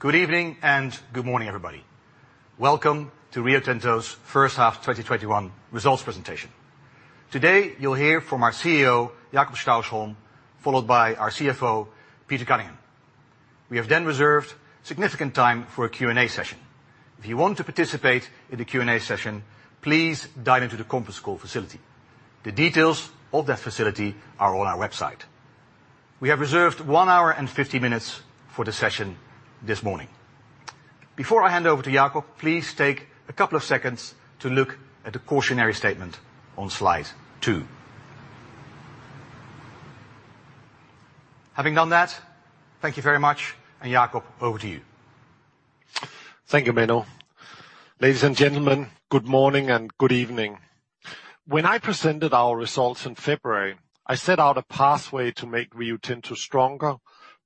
Good evening, good morning, everybody. Welcome to Rio Tinto's first half 2021 results presentation. Today, you'll hear from our CEO, Jakob Stausholm, followed by our CFO, Peter Cunningham. We have reserved significant time for a Q&A session. If you want to participate in the Q&A session, please dive into the conference call facility. The details of that facility are on our website. We have reserved 1 hour and 50 minutes for the session this morning. Before I hand over to Jakob, please take a couple of seconds to look at the cautionary statement on slide 2. Having done that, thank you very much. Jakob, over to you. Thank you, Menno. Ladies and gentlemen, good morning and good evening. When I presented our results in February, I set out a pathway to make Rio Tinto stronger,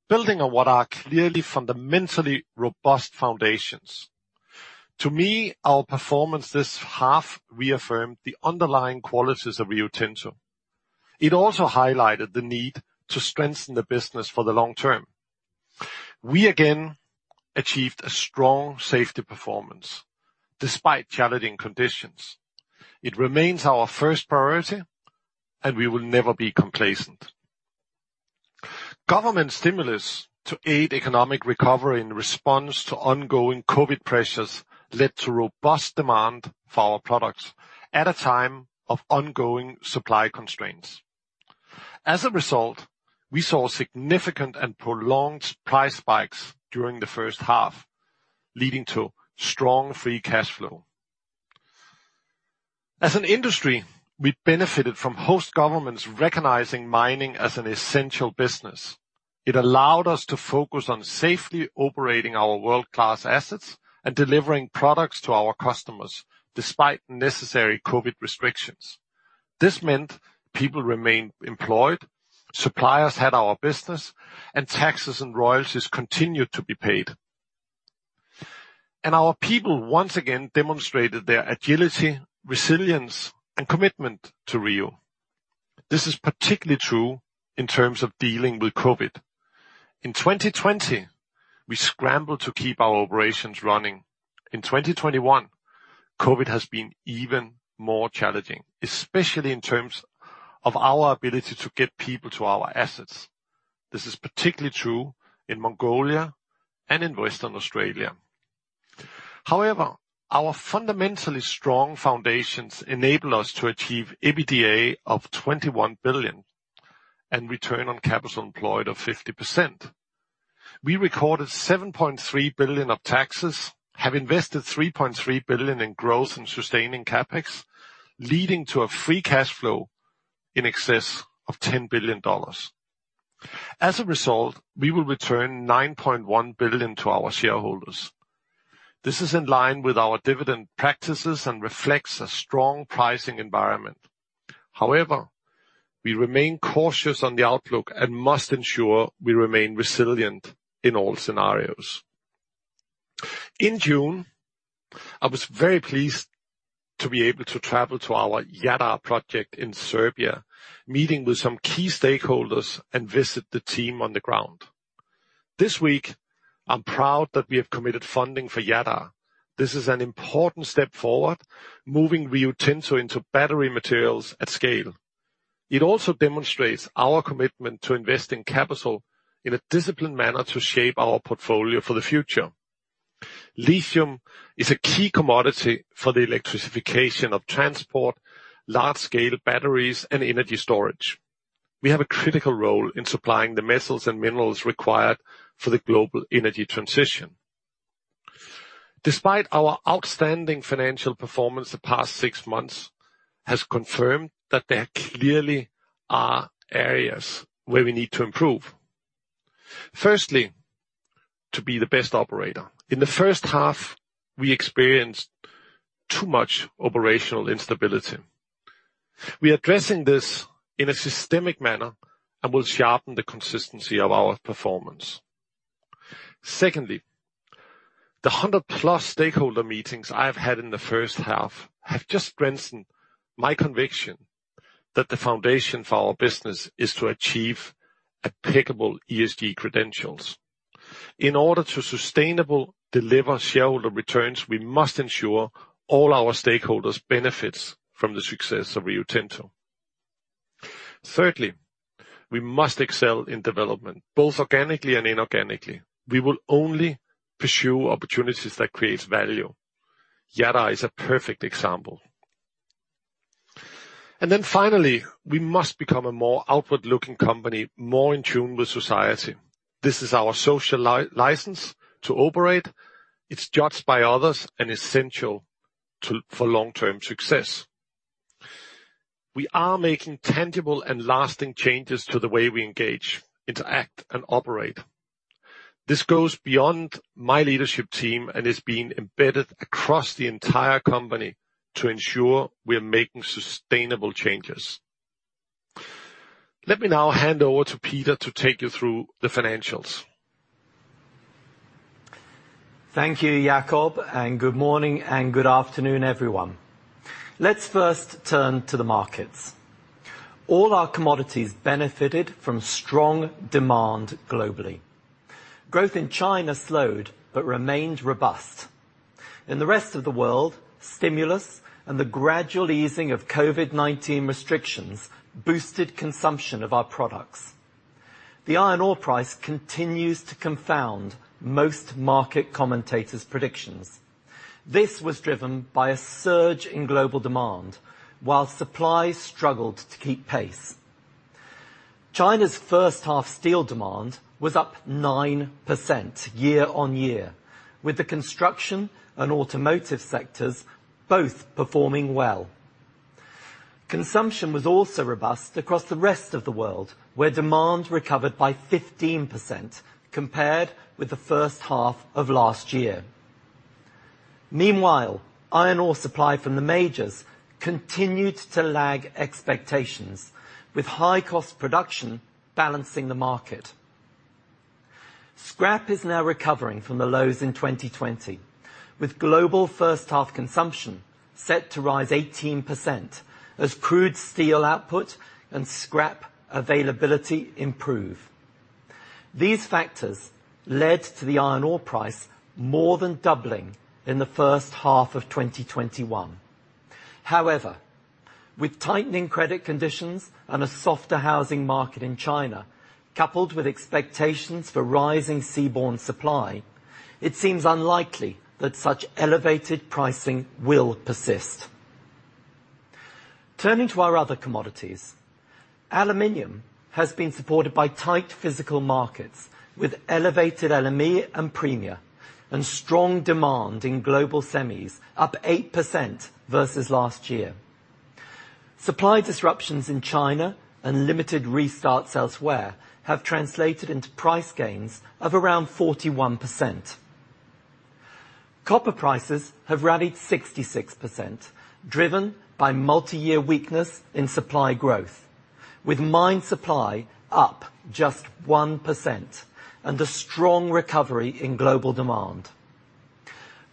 building on what are clearly fundamentally robust foundations. To me, our performance this half reaffirmed the underlying qualities of Rio Tinto. It also highlighted the need to strengthen the business for the long term. We again achieved a strong safety performance despite challenging conditions. It remains our first priority, and we will never be complacent. Government stimulus to aid economic recovery in response to ongoing COVID-19 pressures led to robust demand for our products at a time of ongoing supply constraints. As a result, we saw significant and prolonged price spikes during the first half, leading to strong free cash flow. As an industry, we benefited from host governments recognizing mining as an essential business. It allowed us to focus on safely operating our world-class assets and delivering products to our customers, despite necessary COVID restrictions. This meant people remained employed, suppliers had our business, taxes and royalties continued to be paid. Our people once again demonstrated their agility, resilience, and commitment to Rio. This is particularly true in terms of dealing with COVID. In 2020, we scrambled to keep our operations running. In 2021, COVID has been even more challenging, especially in terms of our ability to get people to our assets. This is particularly true in Mongolia and in Western Australia. Our fundamentally strong foundations enable us to achieve EBITDA of $21 billion and return on capital employed of 50%. We recorded $7.3 billion of taxes, have invested $3.3 billion in growth in sustaining CapEx, leading to a free cash flow in excess of $10 billion. As a result, we will return $9.1 billion to our shareholders. This is in line with our dividend practices and reflects a strong pricing environment. However, we remain cautious on the outlook and must ensure we remain resilient in all scenarios. In June, I was very pleased to be able to travel to our Jadar project in Serbia, meeting with some key stakeholders and visit the team on the ground. This week, I'm proud that we have committed funding for Jadar. This is an important step forward, moving Rio Tinto into battery materials at scale. It also demonstrates our commitment to investing capital in a disciplined manner to shape our portfolio for the future. Lithium is a key commodity for the electrification of transport, large-scale batteries, and energy storage. We have a critical role in supplying the metals and minerals required for the global energy transition. Despite our outstanding financial performance, the past six months has confirmed that there clearly are areas where we need to improve. Firstly, to be the best operator. In the first half, we experienced too much operational instability. We are addressing this in a systemic manner and will sharpen the consistency of our performance. Secondly, the 100-plus stakeholder meetings I have had in the first half have just strengthened my conviction that the foundation for our business is to achieve impeccable ESG credentials. In order to sustainable deliver shareholder returns, we must ensure all our stakeholders benefit from the success of Rio Tinto. Thirdly, we must excel in development, both organically and inorganically. We will only pursue opportunities that create value. Jadar is a perfect example. Finally, we must become a more outward-looking company, more in tune with society. This is our social license to operate. It's judged by others and essential for long-term success. We are making tangible and lasting changes to the way we engage, interact, and operate. This goes beyond my leadership team and is being embedded across the entire company to ensure we are making sustainable changes. Let me now hand over to Peter to take you through the financials. Thank you, Jakob. Good morning and good afternoon, everyone. Let's first turn to the markets. All our commodities benefited from strong demand globally. Growth in China slowed but remained robust. In the rest of the world, stimulus and the gradual easing of COVID-19 restrictions boosted consumption of our products. The iron ore price continues to confound most market commentators' predictions. This was driven by a surge in global demand while supply struggled to keep pace. China's first half steel demand was up 9% year-on-year, with the construction and automotive sectors both performing well. Consumption was also robust across the rest of the world, where demand recovered by 15% compared with the first half of last year. Meanwhile, iron ore supply from the majors continued to lag expectations, with high cost production balancing the market. Scrap is now recovering from the lows in 2020, with global first half consumption set to rise 18% as crude steel output and scrap availability improve. These factors led to the iron ore price more than doubling in the first half of 2021. However, with tightening credit conditions and a softer housing market in China, coupled with expectations for rising seaborne supply, it seems unlikely that such elevated pricing will persist. Turning to our other commodities. aluminium has been supported by tight physical markets, with elevated LME and premium and strong demand in global semis up 8% versus last year. Supply disruptions in China and limited restarts elsewhere have translated into price gains of around 41%. copper prices have rallied 66%, driven by multi-year weakness in supply growth, with mine supply up just 1% and a strong recovery in global demand.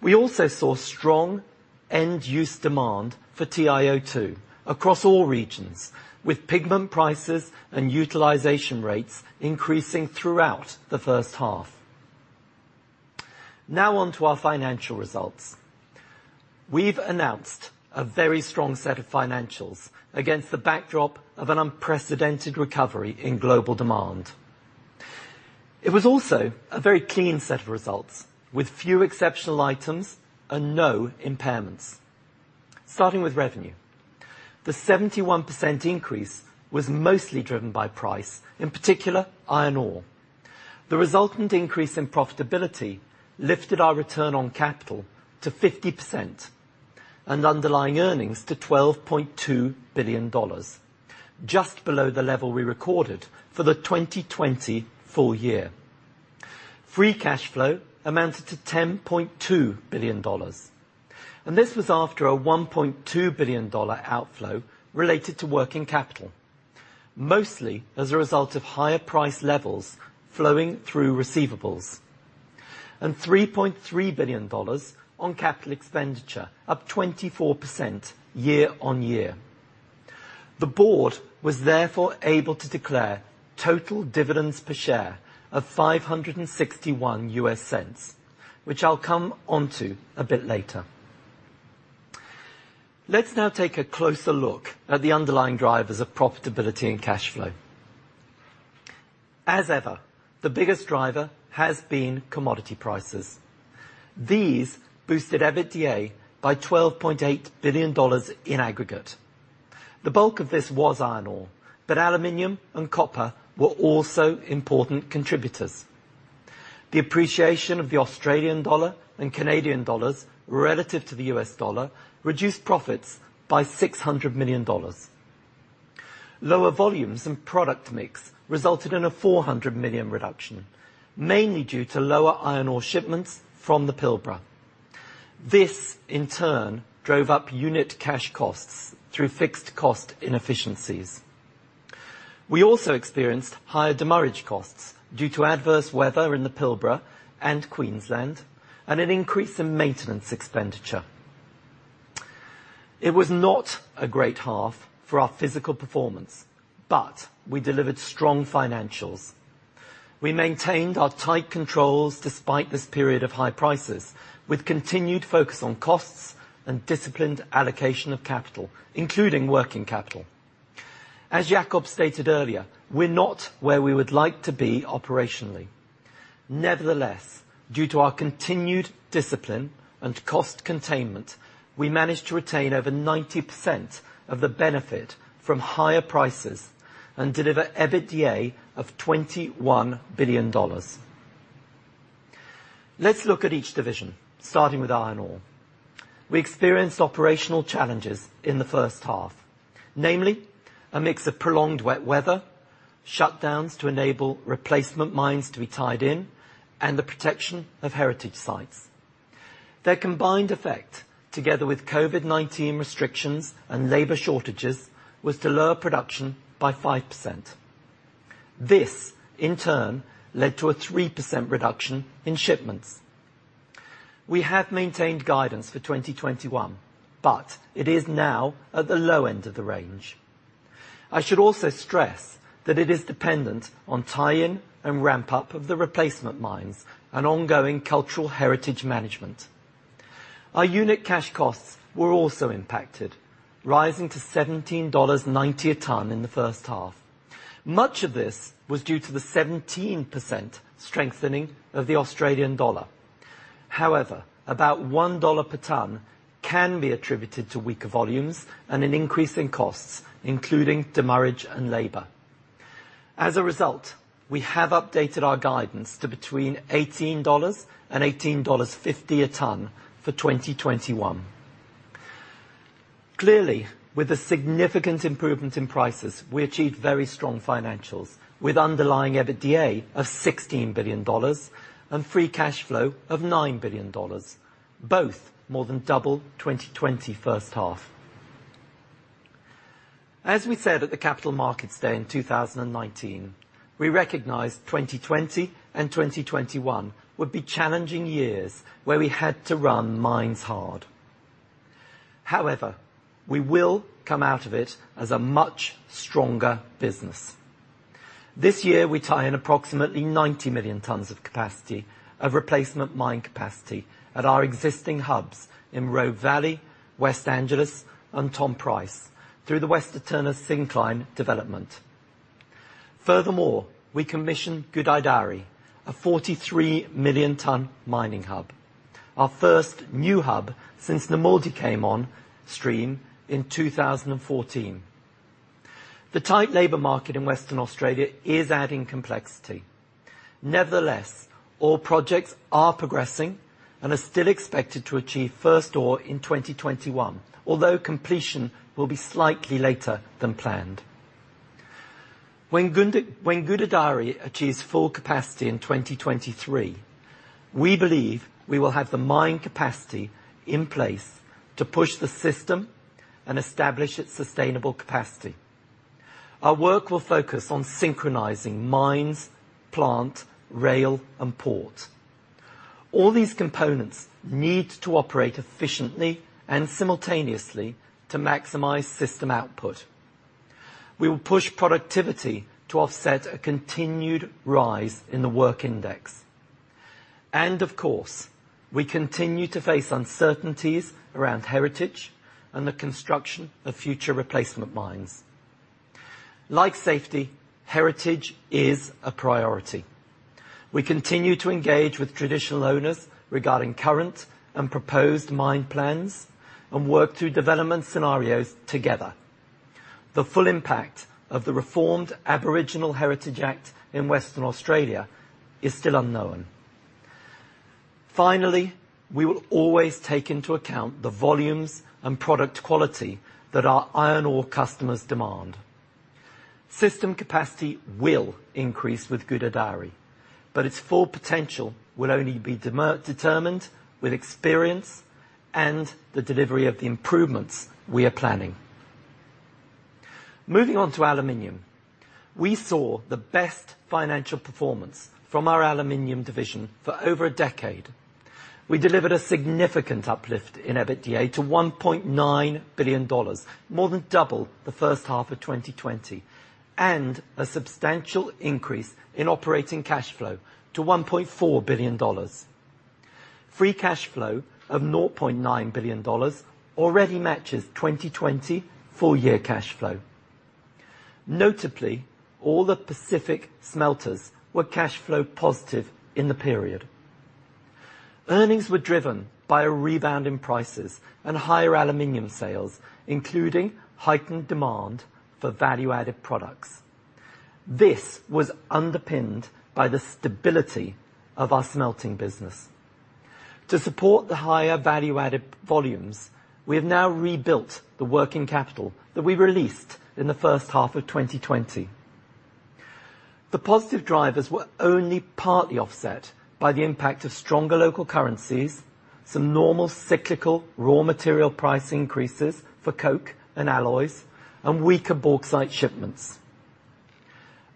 We also saw strong end-use demand for TiO2 across all regions, with pigment prices and utilization rates increasing throughout the first half. Now on to our financial results. We've announced a very strong set of financials against the backdrop of an unprecedented recovery in global demand. It was also a very clean set of results, with few exceptional items and no impairments. Starting with revenue, the 71% increase was mostly driven by price, in particular iron ore. The resultant increase in profitability lifted our return on capital to 50% and underlying earnings to $12.2 billion, just below the level we recorded for the 2020 full year. Free cash flow amounted to $10.2 billion, and this was after a $1.2 billion outflow related to working capital, mostly as a result of higher price levels flowing through receivables, and $3.3 billion on capital expenditure up 24% year-on-year. The board was therefore able to declare total dividends per share of $5.61, which I'll come onto a bit later. Let's now take a closer look at the underlying drivers of profitability and cash flow. As ever, the biggest driver has been commodity prices. These boosted EBITDA by $12.8 billion in aggregate. The bulk of this was iron ore, but aluminium and copper were also important contributors. The appreciation of the Australian dollar and Canadian dollars relative to the US dollar reduced profits by $600 million. Lower volumes and product mix resulted in a $400 million reduction, mainly due to lower iron ore shipments from the Pilbara. This, in turn, drove up unit cash costs through fixed cost inefficiencies. We also experienced higher demurrage costs due to adverse weather in the Pilbara and Queensland and an increase in maintenance expenditure. It was not a great half for our physical performance, but we delivered strong financials. We maintained our tight controls despite this period of high prices, with continued focus on costs and disciplined allocation of capital, including working capital. As Jakob stated earlier, we're not where we would like to be operationally. Nevertheless, due to our continued discipline and cost containment, we managed to retain over 90% of the benefit from higher prices and deliver EBITDA of $21 billion. Let's look at each division, starting with iron ore. We experienced operational challenges in the first half, namely a mix of prolonged wet weather, shutdowns to enable replacement mines to be tied in, and the protection of heritage sites. Their combined effect, together with COVID-19 restrictions and labor shortages, was to lower production by 5%. This, in turn, led to a 3% reduction in shipments. We have maintained guidance for 2021. It is now at the low end of the range. I should also stress that it is dependent on tie-in and ramp-up of the replacement mines and ongoing cultural heritage management. Our unit cash costs were also impacted, rising to $17.90 a ton in the first half. Much of this was due to the 17% strengthening of the Australian dollar. However, about $1 per ton can be attributed to weaker volumes and an increase in costs, including demurrage and labor. As a result, we have updated our guidance to between $18 and $18.50 a ton for 2021. Clearly, with a significant improvement in prices, we achieved very strong financials, with underlying EBITDA of $16 billion and free cash flow of $9 billion, both more than double 2020 first half. As we said at the Capital Markets Day in 2019, we recognized 2020 and 2021 would be challenging years, where we had to run mines hard. However, we will come out of it as a much stronger business. This year, we tie in approximately 90 million tons of capacity, of replacement mine capacity at our existing hubs in Brockman, West Angelas, and Tom Price, through the Western Turner Syncline development. Furthermore, we commission Gudai-Darri, a 43-million-ton mining hub, our first new hub since Nammuldi came on stream in 2014. The tight labor market in Western Australia is adding complexity. Nevertheless, all projects are progressing and are still expected to achieve first ore in 2021, although completion will be slightly later than planned. When Gudai-Darri achieves full capacity in 2023, we believe we will have the mine capacity in place to push the system and establish its sustainable capacity. Our work will focus on synchronizing mines, plant, rail, and port. All these components need to operate efficiently and simultaneously to maximize system output. We will push productivity to offset a continued rise in the work index. Of course, we continue to face uncertainties around heritage and the construction of future replacement mines. Like safety, heritage is a priority. We continue to engage with traditional owners regarding current and proposed mine plans, and work through development scenarios together. The full impact of the reformed Aboriginal Heritage Act in Western Australia is still unknown. Finally, we will always take into account the volumes and product quality that our iron ore customers demand. System capacity will increase with Gudai-Darri, but its full potential will only be determined with experience and the delivery of the improvements we are planning. Moving on to aluminium. We saw the best financial performance from our aluminium division for over a decade. We delivered a significant uplift in EBITDA to $1.9 billion, more than double the first half of 2020, and a substantial increase in operating cash flow to $1.4 billion. Free cash flow of $0.9 billion already matches 2020 full year cash flow. Notably, all the Pacific smelters were cash flow positive in the period. Earnings were driven by a rebound in prices and higher aluminium sales, including heightened demand for value-added products. This was underpinned by the stability of our smelting business. To support the higher value-added volumes, we have now rebuilt the working capital that we released in the first half of 2020. The positive drivers were only partly offset by the impact of stronger local currencies, some normal cyclical raw material price increases for coke and alloys, and weaker bauxite shipments.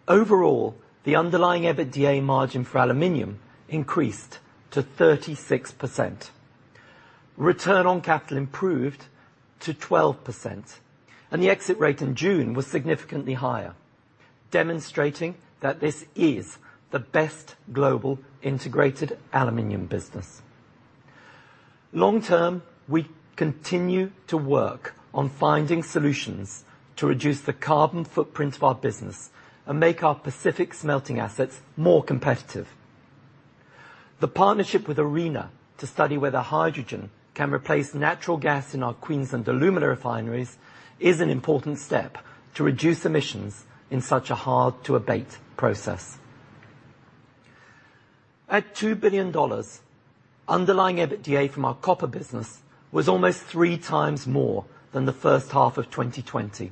Overall, the underlying EBITDA margin for aluminium increased to 36%. Return on capital improved to 12%, and the exit rate in June was significantly higher, demonstrating that this is the best global integrated aluminium business. Long term, we continue to work on finding solutions to reduce the carbon footprint of our business and make our Pacific smelting assets more competitive. The partnership with ARENA to study whether hydrogen can replace natural gas in our Queensland alumina refineries is an important step to reduce emissions in such a hard-to-abate process. At $2 billion, underlying EBITDA from our copper business was almost three times more than the first half of 2020.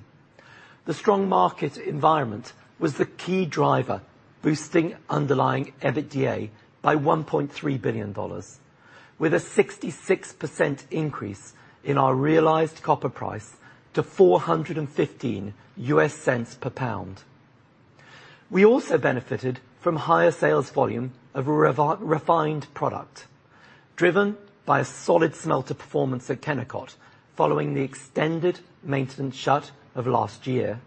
The strong market environment was the key driver, boosting underlying EBITDA by $1.3 billion, with a 66% increase in our realized copper price to $4.15 per pound. We also benefited from higher sales volume of refined product, driven by a solid smelter performance at Kennecott following the extended maintenance shut of last year,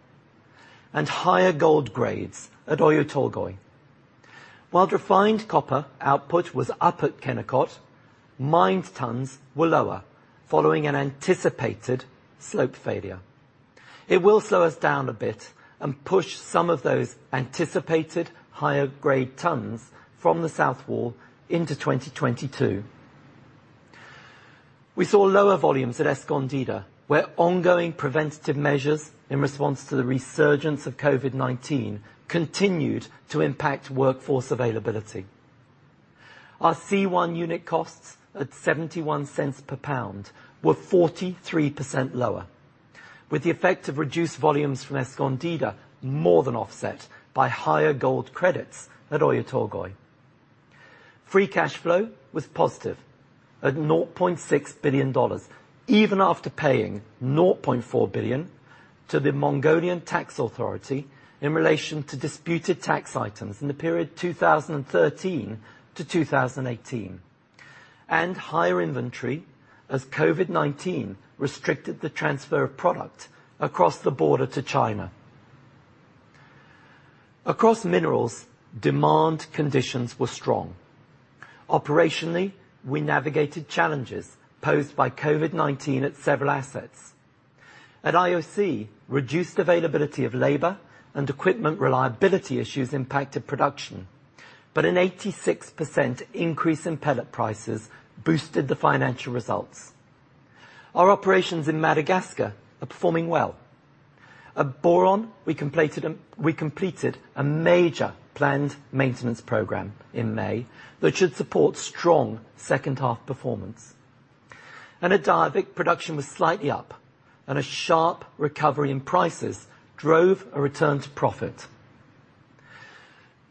and higher gold grades at Oyu Tolgoi. While refined copper output was up at Kennecott, mined tonnes were lower following an anticipated slope failure. It will slow us down a bit and push some of those anticipated higher grade tonnes from the South Wall into 2022. We saw lower volumes at Escondida, where ongoing preventative measures in response to the resurgence of COVID-19 continued to impact workforce availability. Our C1 unit costs at $0.71 per pound were 43% lower, with the effect of reduced volumes from Escondida more than offset by higher gold credits at Oyu Tolgoi. Free cash flow was positive at $0.6 billion, even after paying $0.4 billion to the Mongolian Tax Authority in relation to disputed tax items in the period 2013 to 2018, and higher inventory as COVID-19 restricted the transfer of product across the border to China. Across minerals, demand conditions were strong. Operationally, we navigated challenges posed by COVID-19 at several assets. At IOC, reduced availability of labor and equipment reliability issues impacted production, but an 86% increase in pellet prices boosted the financial results. Our operations in Madagascar are performing well. At Boron, we completed a major planned maintenance program in May that should support strong second half performance. At Diavik, production was slightly up and a sharp recovery in prices drove a return to profit.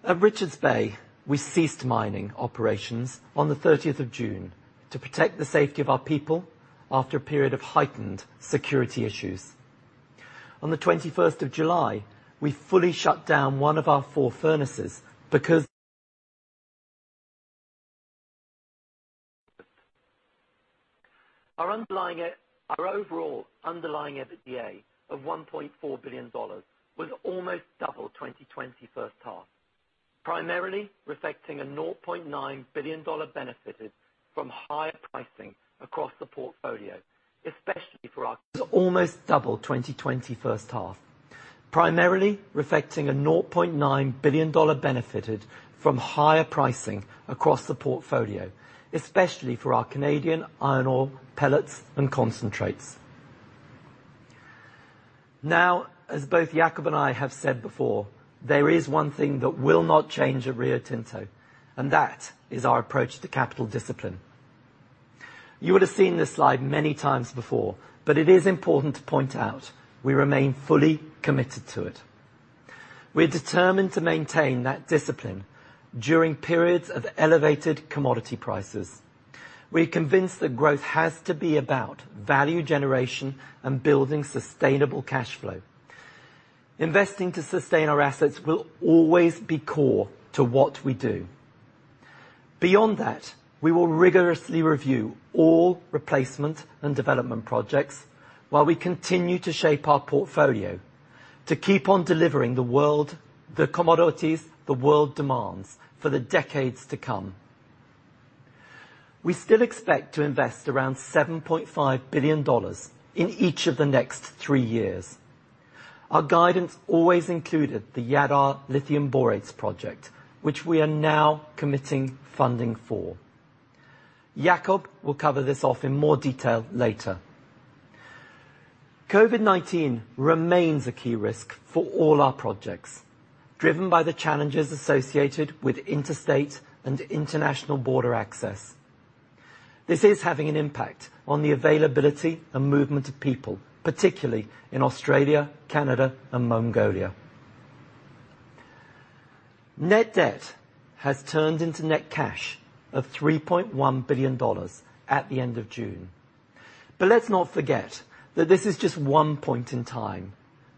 At Richards Bay, we ceased mining operations on the 30th of June to protect the safety of our people after a period of heightened security issues. On the 21st of July, we fully shut down one of our 4 furnaces. Our overall underlying EBITDA of $1.4 billion was almost double 2020 first half, primarily reflecting a $0.9 billion benefited from higher pricing across the portfolio, especially for our Canadian iron ore pellets and concentrates. Now, as both Jakob and I have said before, there is one thing that will not change at Rio Tinto, and that is our approach to capital discipline. You would have seen this slide many times before, but it is important to point out we remain fully committed to it. We're determined to maintain that discipline during periods of elevated commodity prices. We're convinced that growth has to be about value generation and building sustainable cash flow. Investing to sustain our assets will always be core to what we do. Beyond that, we will rigorously review all replacement and development projects while we continue to shape our portfolio to keep on delivering the commodities the world demands for the decades to come. We still expect to invest around $7.5 billion in each of the next three years. Our guidance always included the Jadar Lithium-Borates project, which we are now committing funding for. Jakob will cover this off in more detail later. COVID-19 remains a key risk for all our projects, driven by the challenges associated with interstate and international border access. This is having an impact on the availability and movement of people, particularly in Australia, Canada and Mongolia. Net debt has turned into net cash of $3.1 billion at the end of June. Let's not forget that this is just one point in time.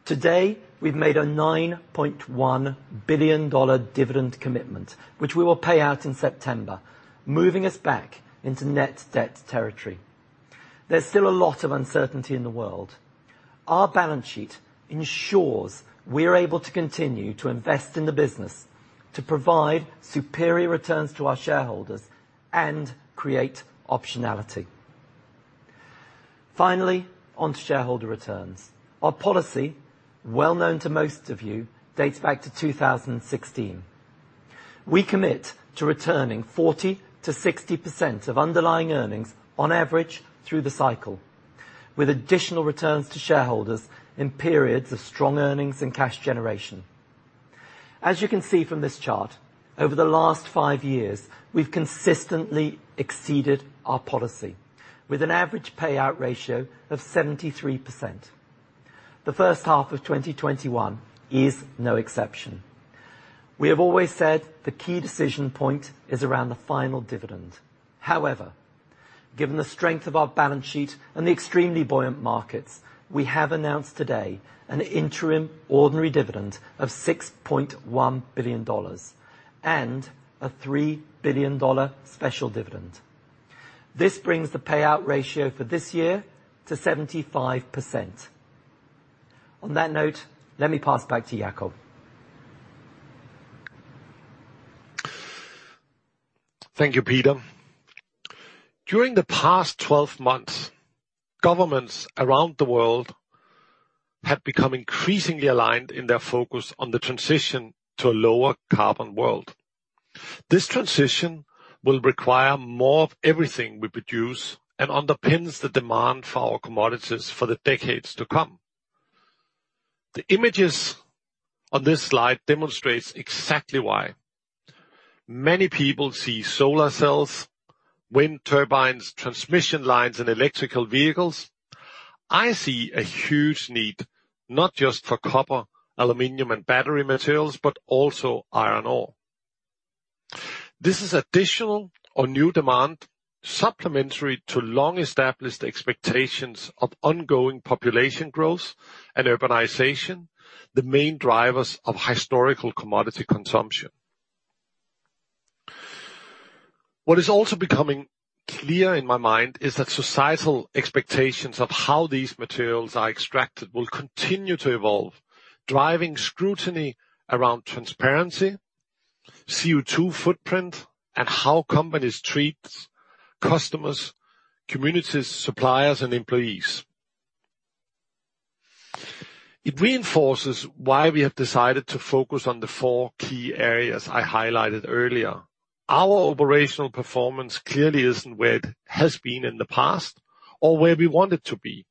Today, we've made a $9.1 billion dividend commitment, which we will pay out in September, moving us back into net debt territory. There's still a lot of uncertainty in the world. Our balance sheet ensures we are able to continue to invest in the business to provide superior returns to our shareholders and create optionality. Finally, onto shareholder returns. Our policy, well known to most of you, dates back to 2016. We commit to returning 40%-60% of underlying earnings on average through the cycle, with additional returns to shareholders in periods of strong earnings and cash generation. As you can see from this chart, over the last five years, we've consistently exceeded our policy with an average payout ratio of 73%. The first half of 2021 is no exception. We have always said the key decision point is around the final dividend. However, given the strength of our balance sheet and the extremely buoyant markets, we have announced today an interim ordinary dividend of $6.1 billion and a $3 billion special dividend. This brings the payout ratio for this year to 75%. On that note, let me pass back to Jakob. Thank you, Peter. During the past 12 months, governments around the world have become increasingly aligned in their focus on the transition to a lower carbon world. This transition will require more of everything we produce and underpins the demand for our commodities for the decades to come. The images on this slide demonstrates exactly why. Many people see solar cells, wind turbines, transmission lines, and electrical vehicles. I see a huge need, not just for copper, aluminium, and battery materials, but also iron ore. This is additional or new demand, supplementary to long-established expectations of ongoing population growth and urbanization, the main drivers of historical commodity consumption. What is also becoming clear in my mind is that societal expectations of how these materials are extracted will continue to evolve, driving scrutiny around transparency, CO2 footprint, and how companies treat customers, communities, suppliers, and employees. It reinforces why we have decided to focus on the four key areas I highlighted earlier. Our operational performance clearly isn't where it has been in the past or where we want it to be.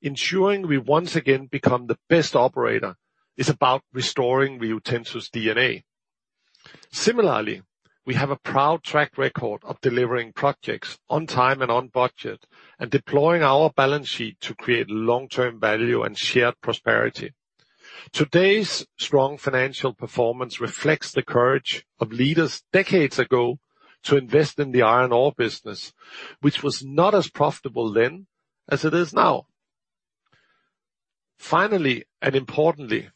Ensuring we once again become the best operator is about restoring Rio Tinto's DNA. Similarly, we have a proud track record of delivering projects on time and on budget, and deploying our balance sheet to create long-term value and shared prosperity. Today's strong financial performance reflects the courage of leaders decades ago to invest in the iron ore business, which was not as profitable then as it is now. Importantly,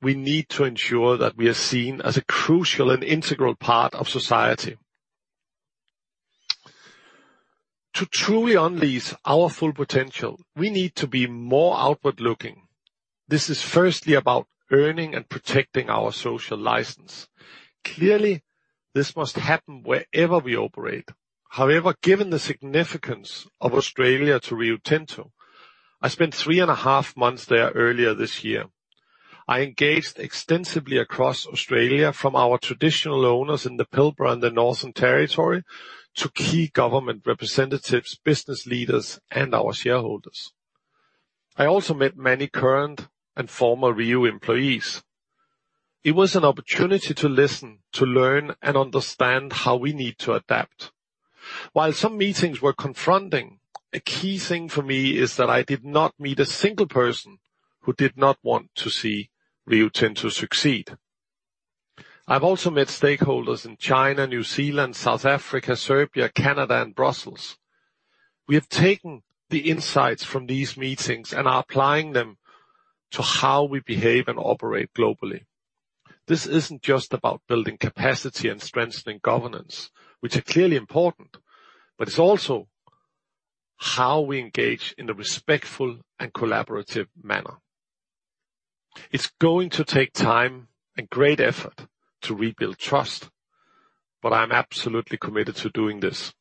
we need to ensure that we are seen as a crucial and integral part of society. To truly unleash our full potential, we need to be more outward-looking. This is firstly about earning and protecting our social license. Clearly, this must happen wherever we operate. However, given the significance of Australia to Rio Tinto, I spent three and a half months there earlier this year. I engaged extensively across Australia, from our traditional owners in the Pilbara and the Northern Territory, to key government representatives, business leaders, and our shareholders. I also met many current and former Rio employees. It was an opportunity to listen, to learn, and understand how we need to adapt. While some meetings were confronting, a key thing for me is that I did not meet a single person who did not want to see Rio Tinto succeed. I've also met stakeholders in China, New Zealand, South Africa, Serbia, Canada, and Brussels. We have taken the insights from these meetings and are applying them to how we behave and operate globally. This isn't just about building capacity and strengthening governance, which are clearly important, but it's also how we engage in a respectful and collaborative manner. It's going to take time and great effort to rebuild trust, but I'm absolutely committed to doing this.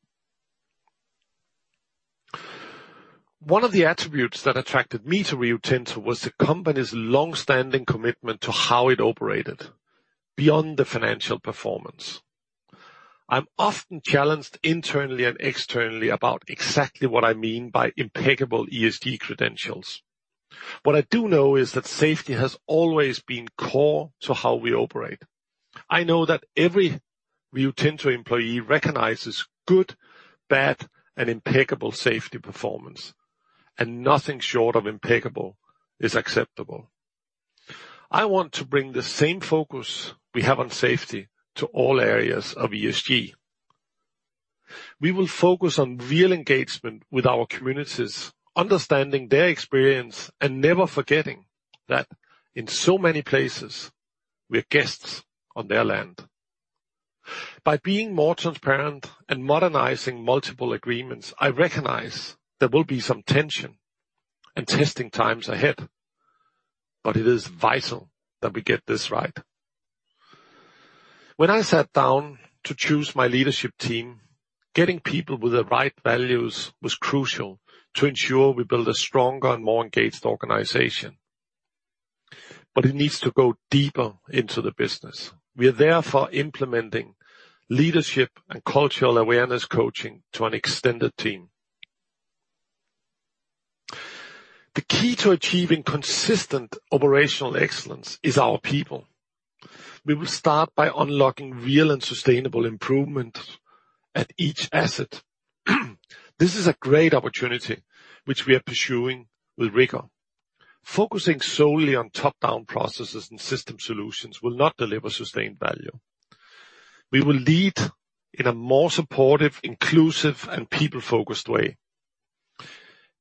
One of the attributes that attracted me to Rio Tinto was the company's longstanding commitment to how it operated beyond the financial performance. I'm often challenged internally and externally about exactly what I mean by impeccable ESG credentials. What I do know is that safety has always been core to how we operate. I know that every Rio Tinto employee recognizes good, bad, and impeccable safety performance, and nothing short of impeccable is acceptable. I want to bring the same focus we have on safety to all areas of ESG. We will focus on real engagement with our communities, understanding their experience, and never forgetting that in so many places, we're guests on their land. By being more transparent and modernizing multiple agreements, I recognize there will be some tension and testing times ahead, but it is vital that we get this right. When I sat down to choose my leadership team, getting people with the right values was crucial to ensure we build a stronger and more engaged organization. It needs to go deeper into the business. We are therefore implementing leadership and cultural awareness coaching to an extended team. The key to achieving consistent operational excellence is our people. We will start by unlocking real and sustainable improvement at each asset. This is a great opportunity, which we are pursuing with rigor. Focusing solely on top-down processes and system solutions will not deliver sustained value. We will lead in a more supportive, inclusive, and people-focused way.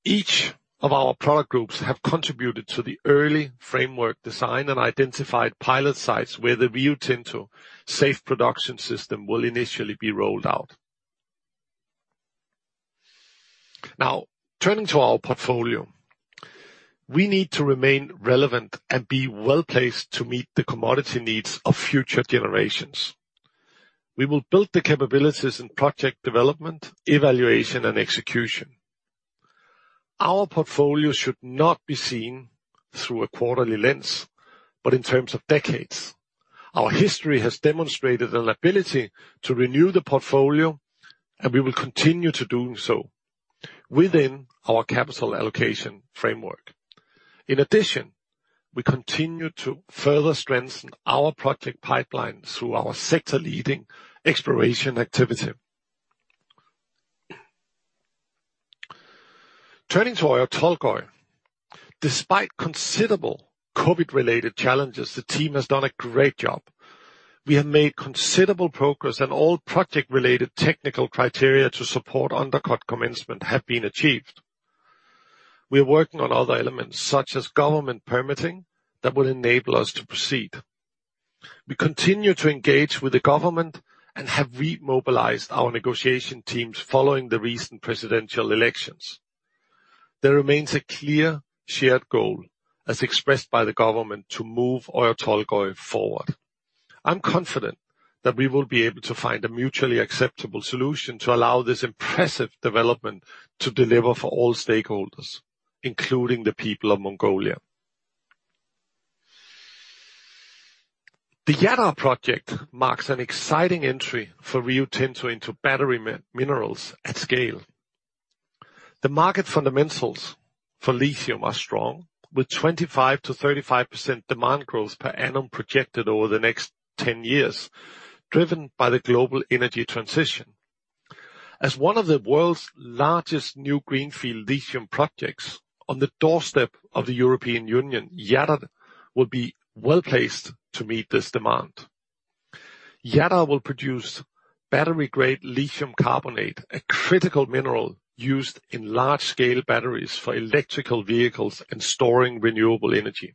Each of our product groups have contributed to the early framework design and identified pilot sites where the Rio Tinto Safe Production System will initially be rolled out. Turning to our portfolio, we need to remain relevant and be well-placed to meet the commodity needs of future generations. We will build the capabilities in project development, evaluation, and execution. Our portfolio should not be seen through a quarterly lens, but in terms of decades. Our history has demonstrated an ability to renew the portfolio, we will continue to do so within our capital allocation framework. We continue to further strengthen our project pipeline through our sector-leading exploration activity. Turning to Oyu Tolgoi. Despite considerable COVID-19-related challenges, the team has done a great job. We have made considerable progress, and all project-related technical criteria to support undercut commencement have been achieved. We are working on other elements, such as government permitting, that will enable us to proceed. We continue to engage with the government and have remobilized our negotiation teams following the recent presidential elections. There remains a clear shared goal, as expressed by the government, to move Oyu Tolgoi forward. I'm confident that we will be able to find a mutually acceptable solution to allow this impressive development to deliver for all stakeholders, including the people of Mongolia. The Jadar project marks an exciting entry for Rio Tinto into battery minerals at scale. The market fundamentals for lithium are strong, with 25%-35% demand growth per annum projected over the next 10 years, driven by the global energy transition. As one of the world's largest new greenfield lithium projects on the doorstep of the European Union, Jadar will be well-placed to meet this demand. Jadar will produce battery-grade lithium carbonate, a critical mineral used in large-scale batteries for electrical vehicles and storing renewable energy.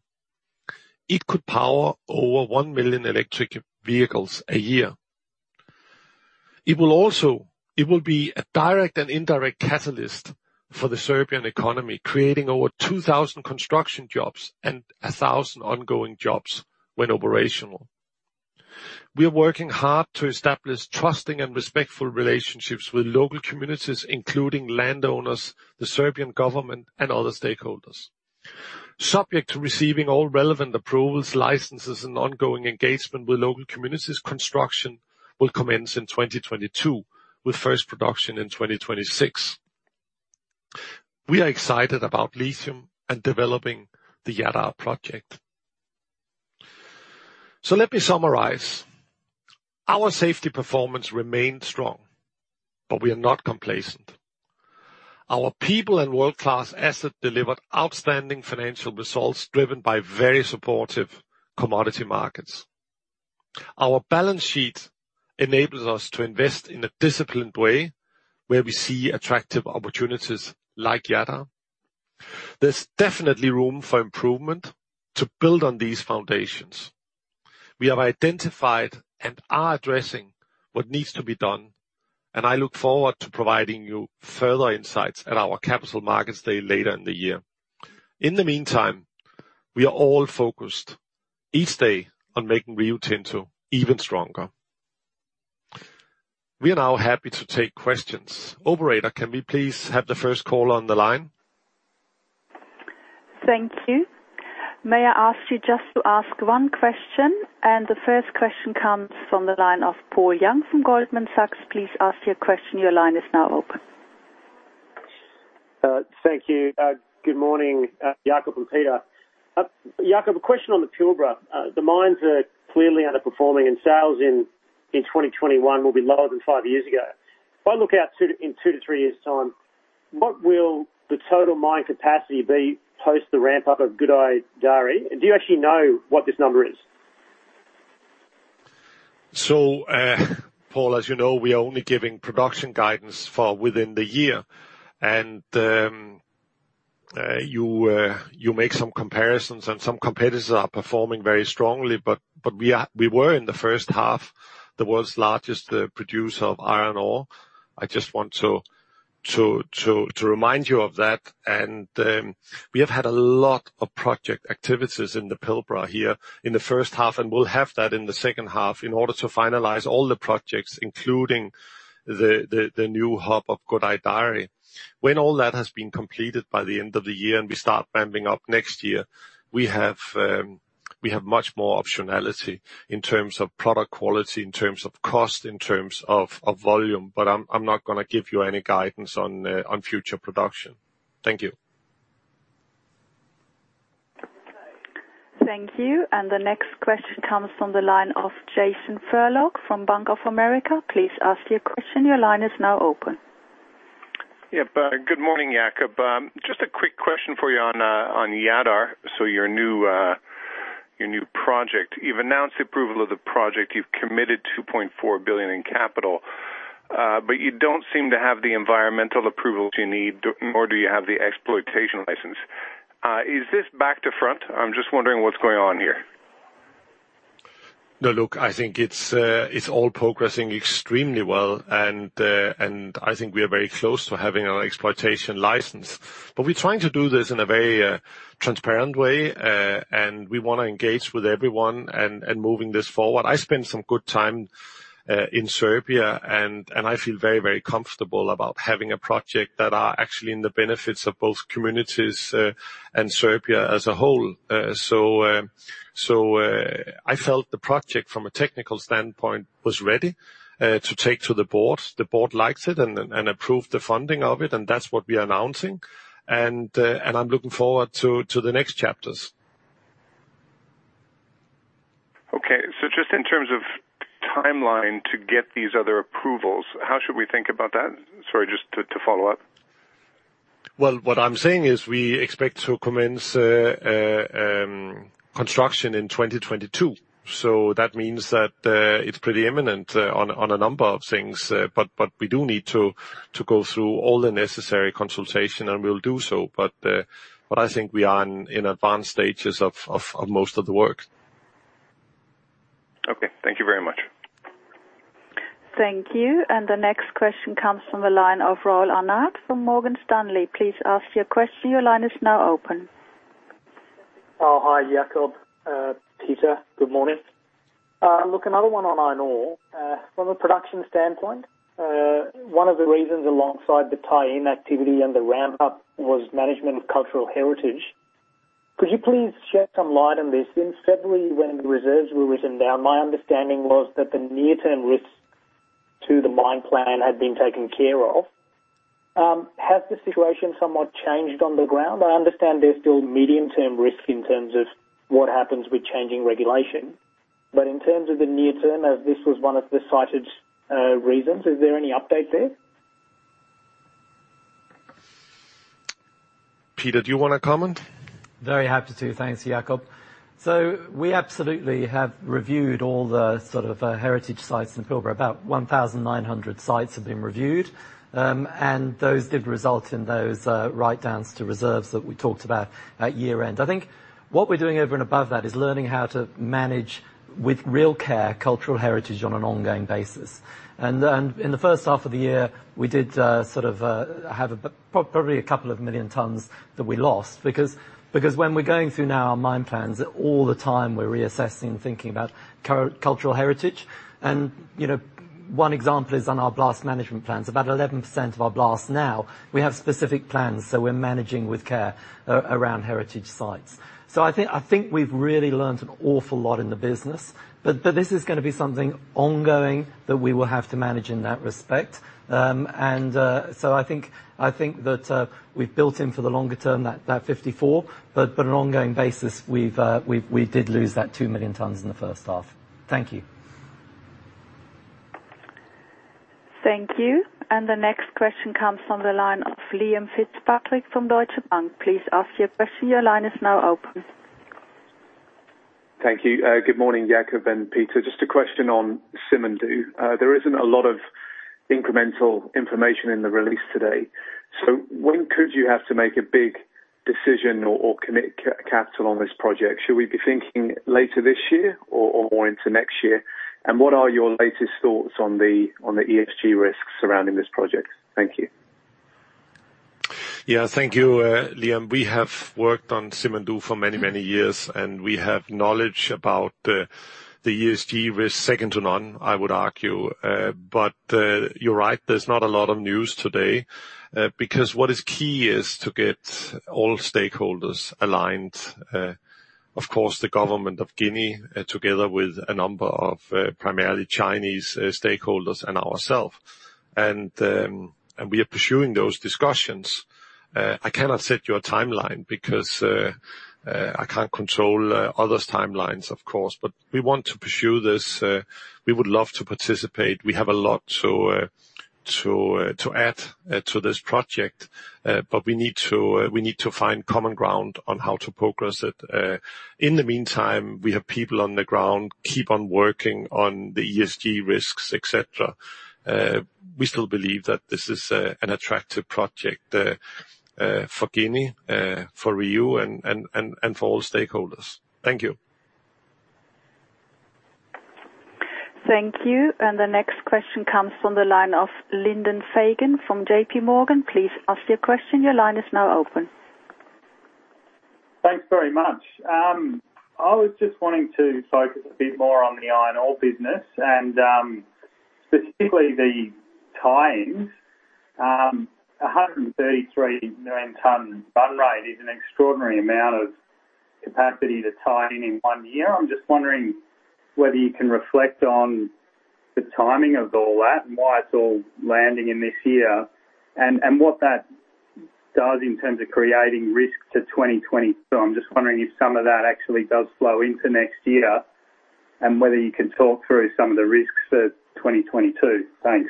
It could power over 1 million electric vehicles a year. It will be a direct and indirect catalyst for the Serbian economy, creating over 2,000 construction jobs and 1,000 ongoing jobs when operational. We are working hard to establish trusting and respectful relationships with local communities, including landowners, the Serbian government, and other stakeholders. Subject to receiving all relevant approvals, licenses, and ongoing engagement with local communities, construction will commence in 2022, with first production in 2026. We are excited about lithium and developing the Jadar project. Let me summarize. Our safety performance remained strong, but we are not complacent. Our people and world-class asset delivered outstanding financial results, driven by very supportive commodity markets. Our balance sheet enables us to invest in a disciplined way where we see attractive opportunities like Jadar. There's definitely room for improvement to build on these foundations. We have identified and are addressing what needs to be done, and I look forward to providing you further insights at our capital markets day later in the year. In the meantime, we are all focused each day on making Rio Tinto even stronger. We are now happy to take questions. Operator, can we please have the first caller on the line? Thank you. May I ask you just to ask one question, and the first question comes from the line of Paul Young from Goldman Sachs. Please ask your question. Your line is now open. Thank you. Good morning, Jakob and Peter Cunningham. Jakob, a question on the Pilbara. The mines are clearly underperforming, and sales in 2021 will be lower than five years ago. If I look out in two to three years' time, what will the total mine capacity be post the ramp-up of Gudai-Darri? Do you actually know what this number is? Paul, as you know, we are only giving production guidance for within the year. You make some comparisons, and some competitors are performing very strongly, but we were, in the first half, the world's largest producer of iron ore. I just want to remind you of that. We have had a lot of project activities in the Pilbara here in the first half, and we'll have that in the second half in order to finalize all the projects, including the new hub of Gudai-Darri. When all that has been completed by the end of the year and we start ramping up next year, we have much more optionality in terms of product quality, in terms of cost, in terms of volume. I'm not going to give you any guidance on future production. Thank you. Thank you. The next question comes from the line of Jason Fairclough from Bank of America. Yep. Good morning, Jakob. Just a quick question for you on Jadar, so your new project. You've announced the approval of the project, you've committed $2.4 billion in capital, but you don't seem to have the environmental approvals you need, nor do you have the exploitation license. Is this back to front? I'm just wondering what's going on here. No, look, I think it's all progressing extremely well, and I think we are very close to having our exploitation license. We're trying to do this in a very transparent way, and we want to engage with everyone and moving this forward. I spent some good time in Serbia, and I feel very comfortable about having a project that are actually in the benefits of both communities, and Serbia as a whole. I felt the project, from a technical standpoint, was ready to take to the board. The board likes it and approved the funding of it, and that's what we are announcing. I'm looking forward to the next chapters. Okay. Just in terms of timeline to get these other approvals, how should we think about that? Sorry, just to follow up. Well, what I'm saying is we expect to commence construction in 2022. That means that it's pretty imminent on a number of things. We do need to go through all the necessary consultation, and we'll do so. I think we are in advanced stages of most of the work. Okay. Thank you very much. Thank you. The next question comes from the line of Rahul Anand from Morgan Stanley. Please ask your question. Hi, Jakob, Peter. Good morning. Look, another one on iron ore. From a production standpoint, one of the reasons alongside the tie-in activity and the ramp up was management of cultural heritage. Could you please shed some light on this? In February when the reserves were written down, my understanding was that the near-term risks to the mine plan had been taken care of. Has the situation somewhat changed on the ground? I understand there's still medium-term risk in terms of what happens with changing regulation. In terms of the near term, as this was one of the cited reasons, is there any update there? Peter, do you want to comment? Very happy to. Thanks, Jakob. We absolutely have reviewed all the sort of heritage sites in Pilbara. About 1,900 sites have been reviewed. Those did result in those write-downs to reserves that we talked about at year-end. I think what we're doing over and above that is learning how to manage with real care cultural heritage on an ongoing basis. In the first half of the year, we did sort of have probably a couple of million tons that we lost because when we're going through now our mine plans, all the time we're reassessing and thinking about cultural heritage. One example is on our blast management plans. About 11% of our blasts now, we have specific plans, so we're managing with care around heritage sites. I think we've really learned an awful lot in the business, but this is going to be something ongoing that we will have to manage in that respect. I think that we've built in for the longer term, that 54, but on an ongoing basis, we did lose that 2 million tons in the first half. Thank you. Thank you. The next question comes from the line of Liam Fitzpatrick from Deutsche Bank. Please ask your question. Your line is now open. Thank you. Good morning, Jakob and Peter. Just a question on Simandou. There isn't a lot of incremental information in the release today. When could you have to make a big decision or commit capital on this project? Should we be thinking later this year or more into next year? What are your latest thoughts on the ESG risks surrounding this project? Thank you. Yeah. Thank you, Liam. We have worked on Simandou for many years. We have knowledge about the ESG risk second to none, I would argue. You're right, there's not a lot of news today. What is key is to get all stakeholders aligned. Of course, the government of Guinea, together with a number of primarily Chinese stakeholders and ourself. We are pursuing those discussions. I cannot set you a timeline because I can't control others' timelines, of course. We want to pursue this. We would love to participate. We have a lot to add to this project. We need to find common ground on how to progress it. In the meantime, we have people on the ground keep on working on the ESG risks, et cetera. We still believe that this is an attractive project, for Guinea, for Rio, and for all stakeholders. Thank you. Thank you. The next question comes from the line of Lyndon Fagan from JPMorgan. Please ask your question. Thanks very much. I was just wanting to focus a bit more on the iron ore business and, specifically the tie-ins. A 133 million ton run rate is an extraordinary amount of capacity to tie in in one year. I'm just wondering whether you can reflect on the timing of all that and why it's all landing in this year, and what that does in terms of creating risk to 2022. I'm just wondering if some of that actually does flow into next year, and whether you can talk through some of the risks for 2022. Thanks.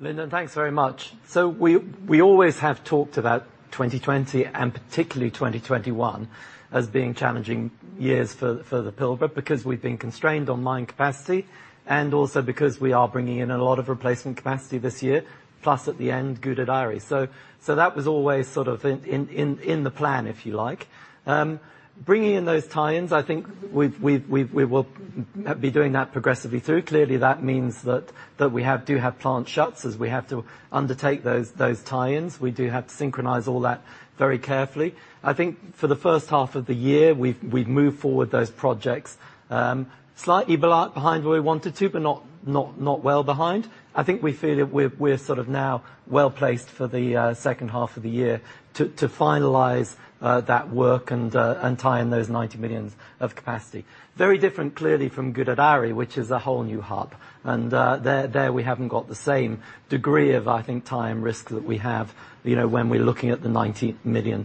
Lyndon, thanks very much. We always have talked about 2020, and particularly 2021, as being challenging years for the Pilbara because we've been constrained on mine capacity, and also because we are bringing in a lot of replacement capacity this year, plus at the end, Gudai-Darri. That was always sort of in the plan, if you like. Bringing in those tie-ins, I think we will be doing that progressively through. Clearly, that means that we do have plant shuts as we have to undertake those tie-ins. We do have to synchronize all that very carefully. I think for the first half of the year, we've moved forward those projects slightly behind where we wanted to, but not well behind. I think we feel that we're sort of now well-placed for the second half of the year to finalize that work and tie in those 90 million of capacity. Very different clearly from Gudai-Darri, which is a whole new hub. There we haven't got the same degree of, I think, tie-in risk that we have when we're looking at the 90 million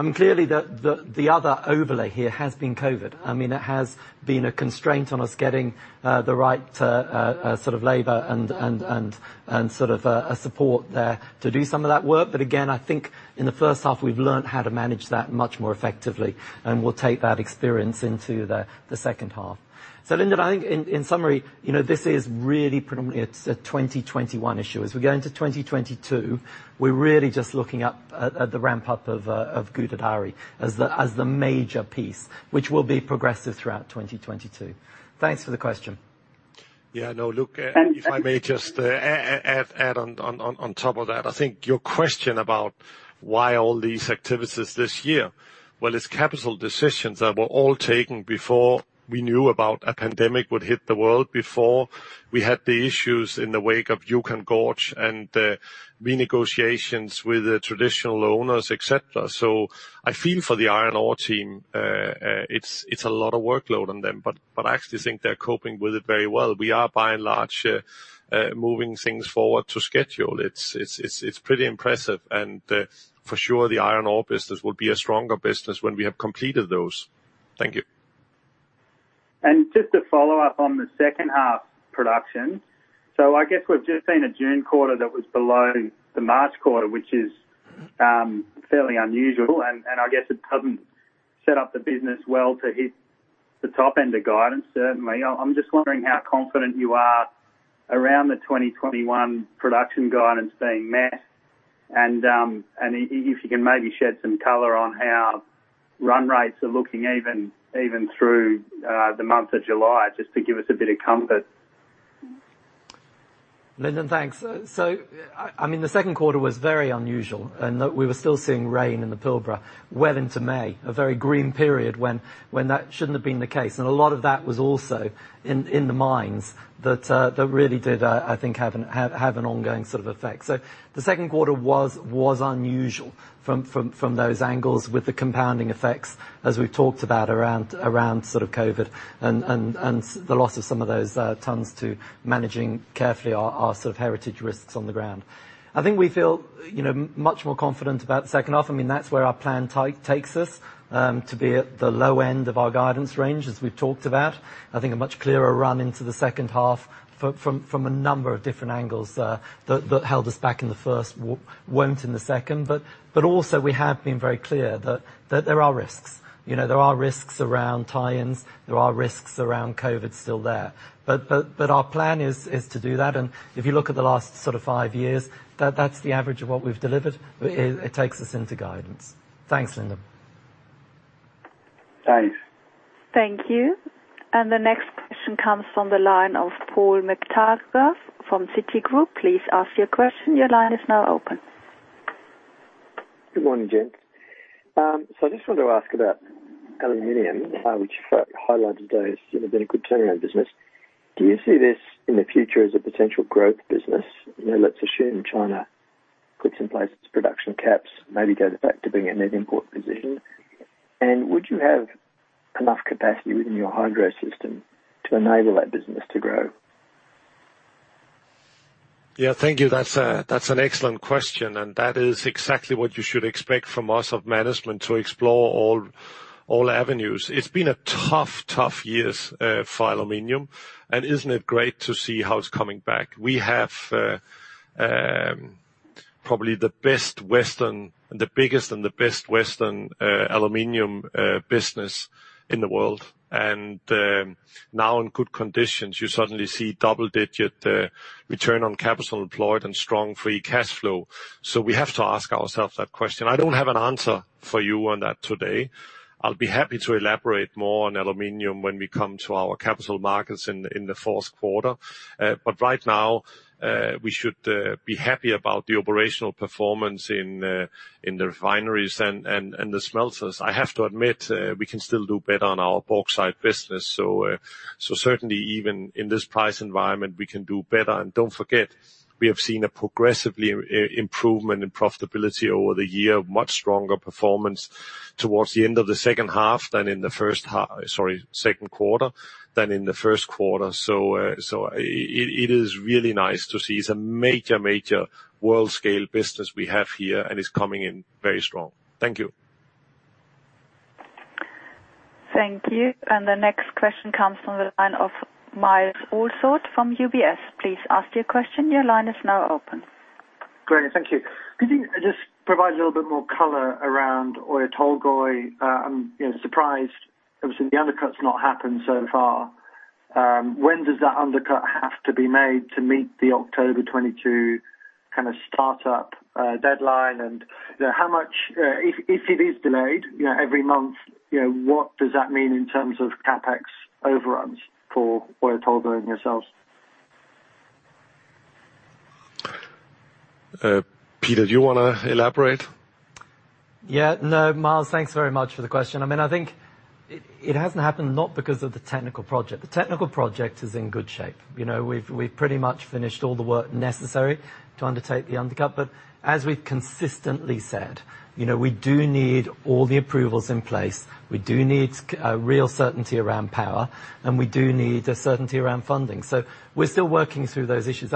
tons. The other overlay here has been COVID. It has been a constraint on us getting the right sort of labor and sort of a support there to do some of that work. Again, I think in the first half, we've learned how to manage that much more effectively, and we'll take that experience into the second half. Lyndon, I think in summary, this is really predominantly a 2021 issue. As we go into 2022, we're really just looking up at the ramp-up of Gudai-Darri as the major piece, which will be progressive throughout 2022. Thanks for the question. Yeah, no, look, if I may just add on top of that. I think your question about why all these activities this year. Well, it's capital decisions that were all taken before we knew about a pandemic would hit the world, before we had the issues in the wake of Juukan Gorge and the renegotiations with the traditional owners, et cetera. I feel for the iron ore team. It's a lot of workload on them, but I actually think they're coping with it very well. We are by and large, moving things forward to schedule. It's pretty impressive, and for sure the iron ore business will be a stronger business when we have completed those. Thank you. Just to follow up on the second half production. I guess we've just seen a June quarter that was below the March quarter, which is fairly unusual. I guess it doesn't set up the business well to hit the top end of guidance, certainly. I'm just wondering how confident you are around the 2021 production guidance being met, and if you can maybe shed some color on how run rates are looking even through the month of July, just to give us a bit of comfort. Lyndon, thanks. The second quarter was very unusual in that we were still seeing rain in the Pilbara well into May. A very green period when that shouldn't have been the case. A lot of that was also in the mines that really did, I think, have an ongoing sort of effect. The second quarter was unusual from those angles with the compounding effects as we've talked about around sort of COVID and the loss of some of those tons to managing carefully our sort of heritage risks on the ground. I think we feel much more confident about the second half. That's where our plan takes us, to be at the low end of our guidance range, as we've talked about. I think a much clearer run into the second half from a number of different angles that held us back in the first, won't in the second. Also, we have been very clear that there are risks. There are risks around tie-ins. There are risks around COVID still there. Our plan is to do that. If you look at the last sort of five years, that's the average of what we've delivered. It takes us into guidance. Thanks, Lyndon. Thanks. Thank you. The next question comes from the line of Paul McTaggart from Citigroup. Good morning, gents. I just wanted to ask about aluminium, which you highlighted today has been a good turnaround business. Do you see this in the future as a potential growth business? Let's assume China puts in place its production caps, maybe goes back to being a net import position. Would you have enough capacity within your hydro system to enable that business to grow? Yeah, thank you. That's an excellent question, and that is exactly what you should expect from us of management, to explore all avenues. It's been a tough years for aluminium. Isn't it great to see how it's coming back? We have probably the biggest and the best Western aluminium business in the world. Now in good conditions, you suddenly see double-digit return on capital employed and strong free cash flow. We have to ask ourselves that question. I don't have an answer for you on that today. I'll be happy to elaborate more on aluminium when we come to our capital markets in the fourth quarter. Right now, we should be happy about the operational performance in the refineries and the smelters. I have to admit, we can still do better on our bauxite business. Certainly even in this price environment, we can do better. Don't forget, we have seen a progressively improvement in profitability over the year, much stronger performance towards the end of the second quarter than in the first quarter. It is really nice to see. It's a major world-scale business we have here, and it's coming in very strong. Thank you. Thank you. The next question comes from the line of Myles Allsop from UBS. Please ask your question. Your line is now open. Great. Thank you. Could you just provide a little bit more color around Oyu Tolgoi? I'm surprised, obviously, the undercut's not happened so far. When does that undercut have to be made to meet the October 2022 kind of startup deadline? If it is delayed every month, what does that mean in terms of CapEx overruns for Oyu Tolgoi and yourselves? Peter, do you want to elaborate? Yeah. No. Myles, thanks very much for the question. I think it hasn't happened not because of the technical project. The technical project is in good shape. We've pretty much finished all the work necessary to undertake the undercut. As we've consistently said, we do need all the approvals in place. We do need real certainty around power, and we do need a certainty around funding. We're still working through those issues.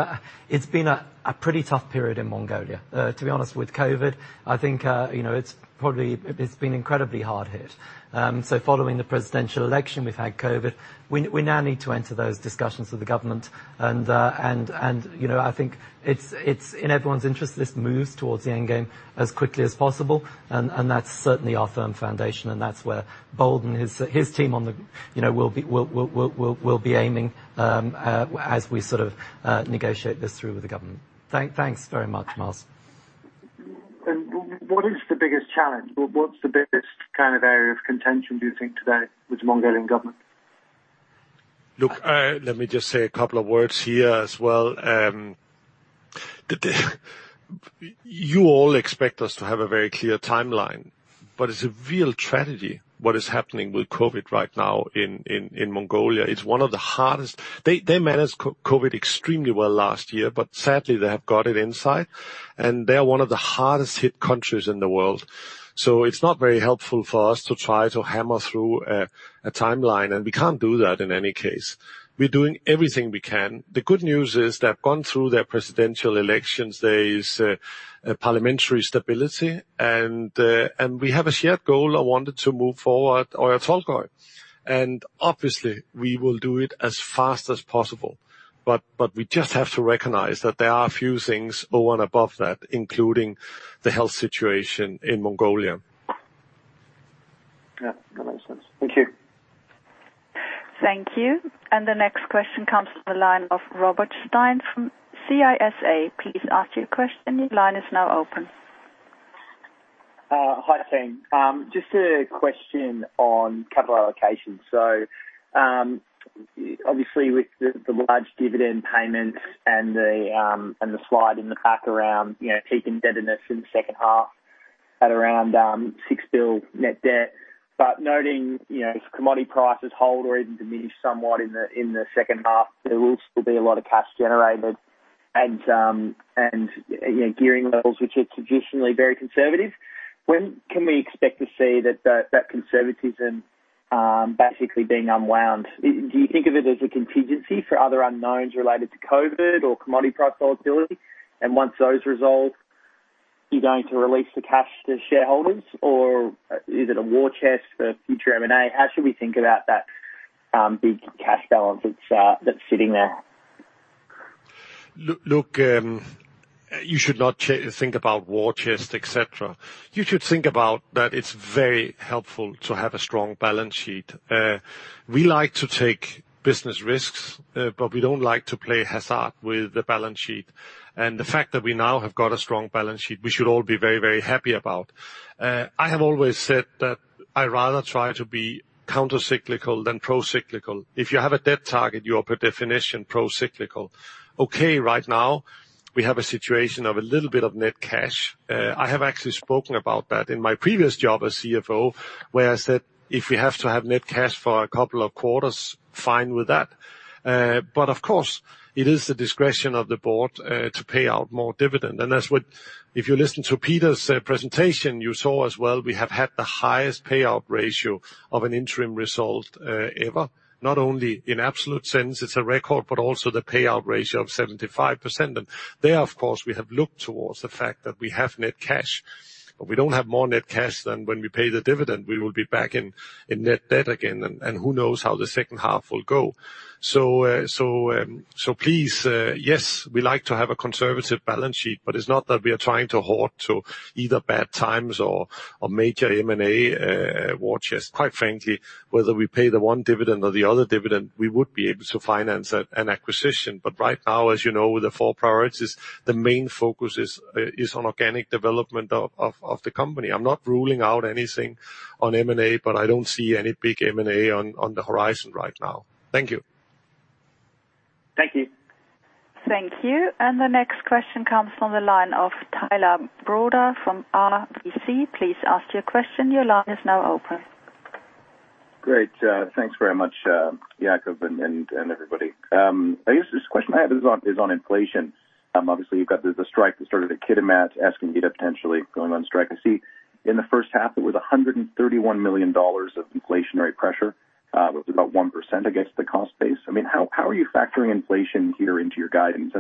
It's been a pretty tough period in Mongolia. To be honest with COVID, I think it's been incredibly hard-hit. Following the presidential election, we've had COVID. We now need to enter those discussions with the government. I think it's in everyone's interest this moves towards the end game as quickly as possible. That's certainly our firm foundation. That's where Bold and his team will be aiming as we sort of negotiate this through with the government. Thanks very much, Myles. What is the biggest challenge? What's the biggest kind of area of contention do you think today with the Mongolian government? Look, let me just say a couple of words here as well. You all expect us to have a very clear timeline, but it's a real tragedy what is happening with COVID right now in Mongolia. They managed COVID extremely well last year, but sadly, they have got it inside, and they are one of the hardest-hit countries in the world. It's not very helpful for us to try to hammer through a timeline, and we can't do that in any case. We're doing everything we can. The good news is they've gone through their presidential elections. There is parliamentary stability, and we have a shared goal and wanted to move forward Oyu Tolgoi. Obviously, we will do it as fast as possible. We just have to recognize that there are a few things over and above that, including the health situation in Mongolia. Yeah, that makes sense. Thank you. Thank you. The next question comes from the line of Rob Stein from [CLSA]. Please ask your question. Your line is now open. Hi, team. Just a question on capital allocation. Obviously, with the large dividend payments and the slide in the pack around keeping debt in the second half at around $6 billion net debt. Noting if commodity prices hold or even diminish somewhat in the second half, there will still be a lot of cash generated and gearing levels, which are traditionally very conservative. When can we expect to see that conservatism basically being unwound? Do you think of it as a contingency for other unknowns related to COVID-19 or commodity price volatility? Once those resolve, you're going to release the cash to shareholders, or is it a war chest for future M&A? How should we think about that big cash balance that's sitting there? Look, you should not think about war chest, et cetera. You should think about that it's very helpful to have a strong balance sheet. We like to take business risks, but we don't like to play hazard with the balance sheet. The fact that we now have got a strong balance sheet, we should all be very, very happy about. I have always said that I rather try to be countercyclical than procyclical. If you have a debt target, you are, per definition, procyclical. Okay, right now we have a situation of a little bit of net cash. I have actually spoken about that in my previous job as CFO, where I said, "If we have to have net cash for a couple of quarters, fine with that." Of course, it is the discretion of the board to pay out more dividend. If you listen to Peter's presentation, you saw as well, we have had the highest payout ratio of an interim result ever. Not only in absolute sense it's a record, but also the payout ratio of 75%. There, of course, we have looked towards the fact that we have net cash. We don't have more net cash than when we pay the dividend. We will be back in net debt again, and who knows how the second half will go. Please, yes, we like to have a conservative balance sheet, but it's not that we are trying to hoard to either bad times or major M&A war chest. Quite frankly, whether we pay the 1 dividend or the other dividend, we would be able to finance an acquisition. Right now, as you know, the four priorities, the main focus is on organic development of the company. I'm not ruling out anything on M&A, but I don't see any big M&A on the horizon right now. Thank you. Thank you. Thank you. The next question comes from the line of Tyler Broda from RBC. Please ask your question. Great. Thanks very much, Jakob, and everybody. I guess this question I have is on inflation. Obviously, you've got the strike that started at Kitimat, asking you to potentially going on strike. I see in the first half, it was $131 million of inflationary pressure. It was about 1% against the cost base. How are you factoring inflation here into your guidance?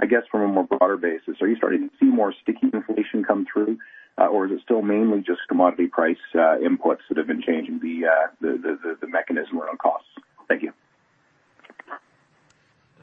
I guess from a broader basis, are you starting to see more sticky inflation come through, or is it still mainly just commodity price inputs that have been changing the mechanism around costs? Thank you.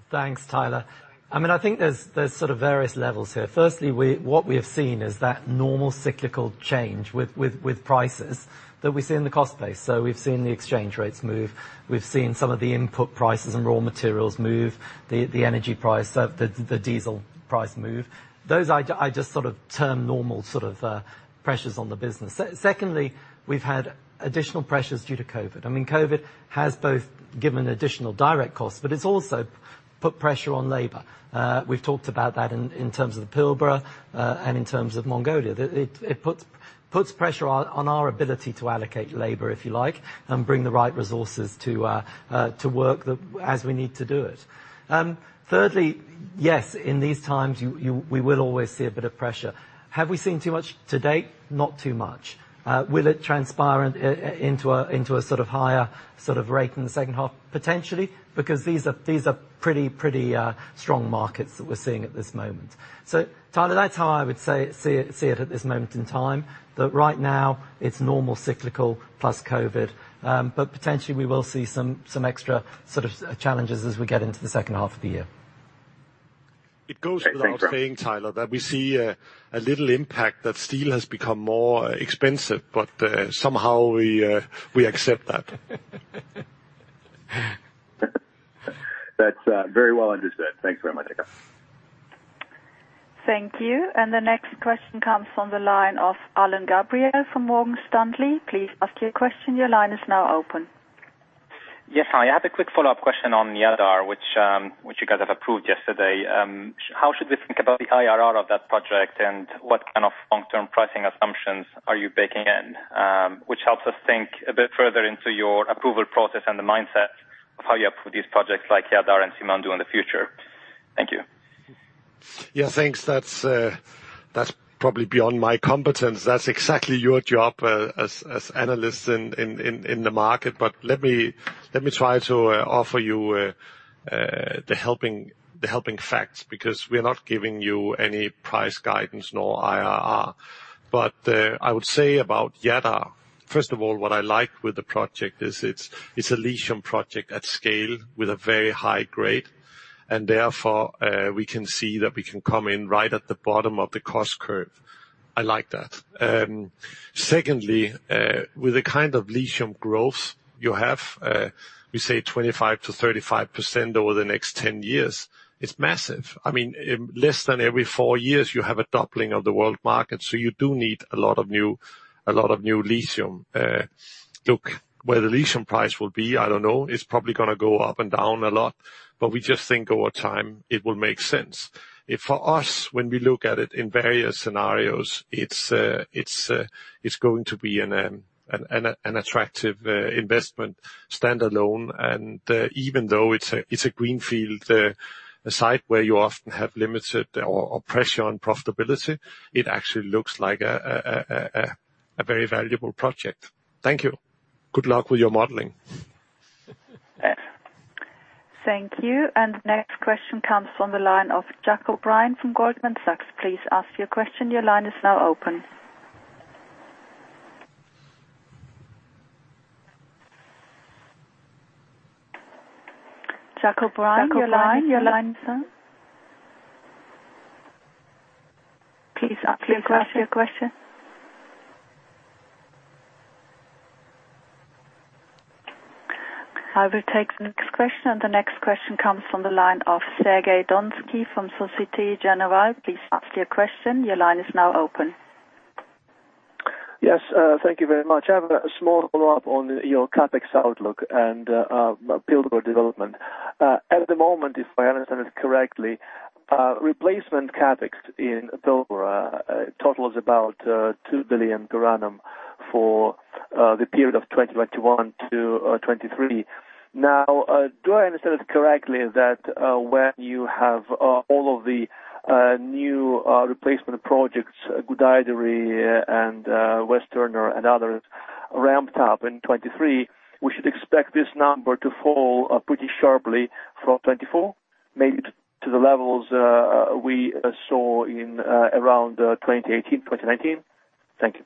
Thanks, Tyler. I think there's various levels here. Firstly, what we have seen is that normal cyclical change with prices that we see in the cost base. We've seen the exchange rates move, we've seen some of the input prices and raw materials move, the energy price, the diesel price move. Those I just term normal pressures on the business. Secondly, we've had additional pressures due to COVID-19. COVID-19 has both given additional direct costs, but it's also put pressure on labor. We've talked about that in terms of the Pilbara, and in terms of Mongolia. It puts pressure on our ability to allocate labor, if you like, and bring the right resources to work as we need to do it. Thirdly, yes, in these times, we will always see a bit of pressure. Have we seen too much to date? Not too much. Will it transpire into a higher rate in the second half? Potentially, because these are pretty strong markets that we're seeing at this moment. Tyler, that's how I would see it at this moment in time. That right now, it's normal cyclical plus COVID, but potentially we will see some extra challenges as we get into the second half of the year. Thanks. It goes without saying, Tyler, that we see a little impact that steel has become more expensive, but somehow we accept that. That's very well understood. Thanks very much. Thank you. The next question comes from the line of Alain Gabriel from Morgan Stanley. Please ask your question. Yes. Hi. I have a quick follow-up question on the other, which you guys have approved yesterday. How should we think about the IRR of that project and what kind of long-term pricing assumptions are you baking in? Which helps us think a bit further into your approval process and the mindset of how you approve these projects like Jadar and Simandou in the future. Thank you. Yeah, thanks. That's probably beyond my competence. That's exactly your job as analysts in the market. Let me try to offer you the helping facts, because we are not giving you any price guidance, nor IRR. I would say about Jadar, first of all, what I like with the project is it's a lithium project at scale with a very high grade, and therefore, we can see that we can come in right at the bottom of the cost curve. I like that. Secondly, with the kind of lithium growth you have, we say 25%-35% over the next 10 years, it's massive. Less than every four years, you have a doubling of the world market, you do need a lot of new lithium. Look, where the lithium price will be, I don't know. It's probably going to go up and down a lot, but we just think over time it will make sense. For us, when we look at it in various scenarios, it's going to be an attractive investment standalone, and even though it's a greenfield site where you often have limited or pressure on profitability, it actually looks like a very valuable project. Thank you. Good luck with your modeling. Thank you. The next question comes from the line of Jack O'Brien from Goldman Sachs. Please ask your question. Jack O'Brien, please ask your question. I will take the next question. The next question comes from the line of Sergey Donskoy from Societe Generale. Please ask your question. Yes, thank you very much. I have a small follow-up on your CapEx outlook and Pilbara development. At the moment, if I understand it correctly, replacement CapEx in Pilbara totals about $2 billion per annum for the period of 2021 to 2023. Do I understand it correctly that when you have all of the new replacement projects, Gudai-Darri and Western Turner Syncline and others ramped up in 2023, we should expect this number to fall pretty sharply from 2024, maybe to the levels we saw in around 2018, 2019? Thank you.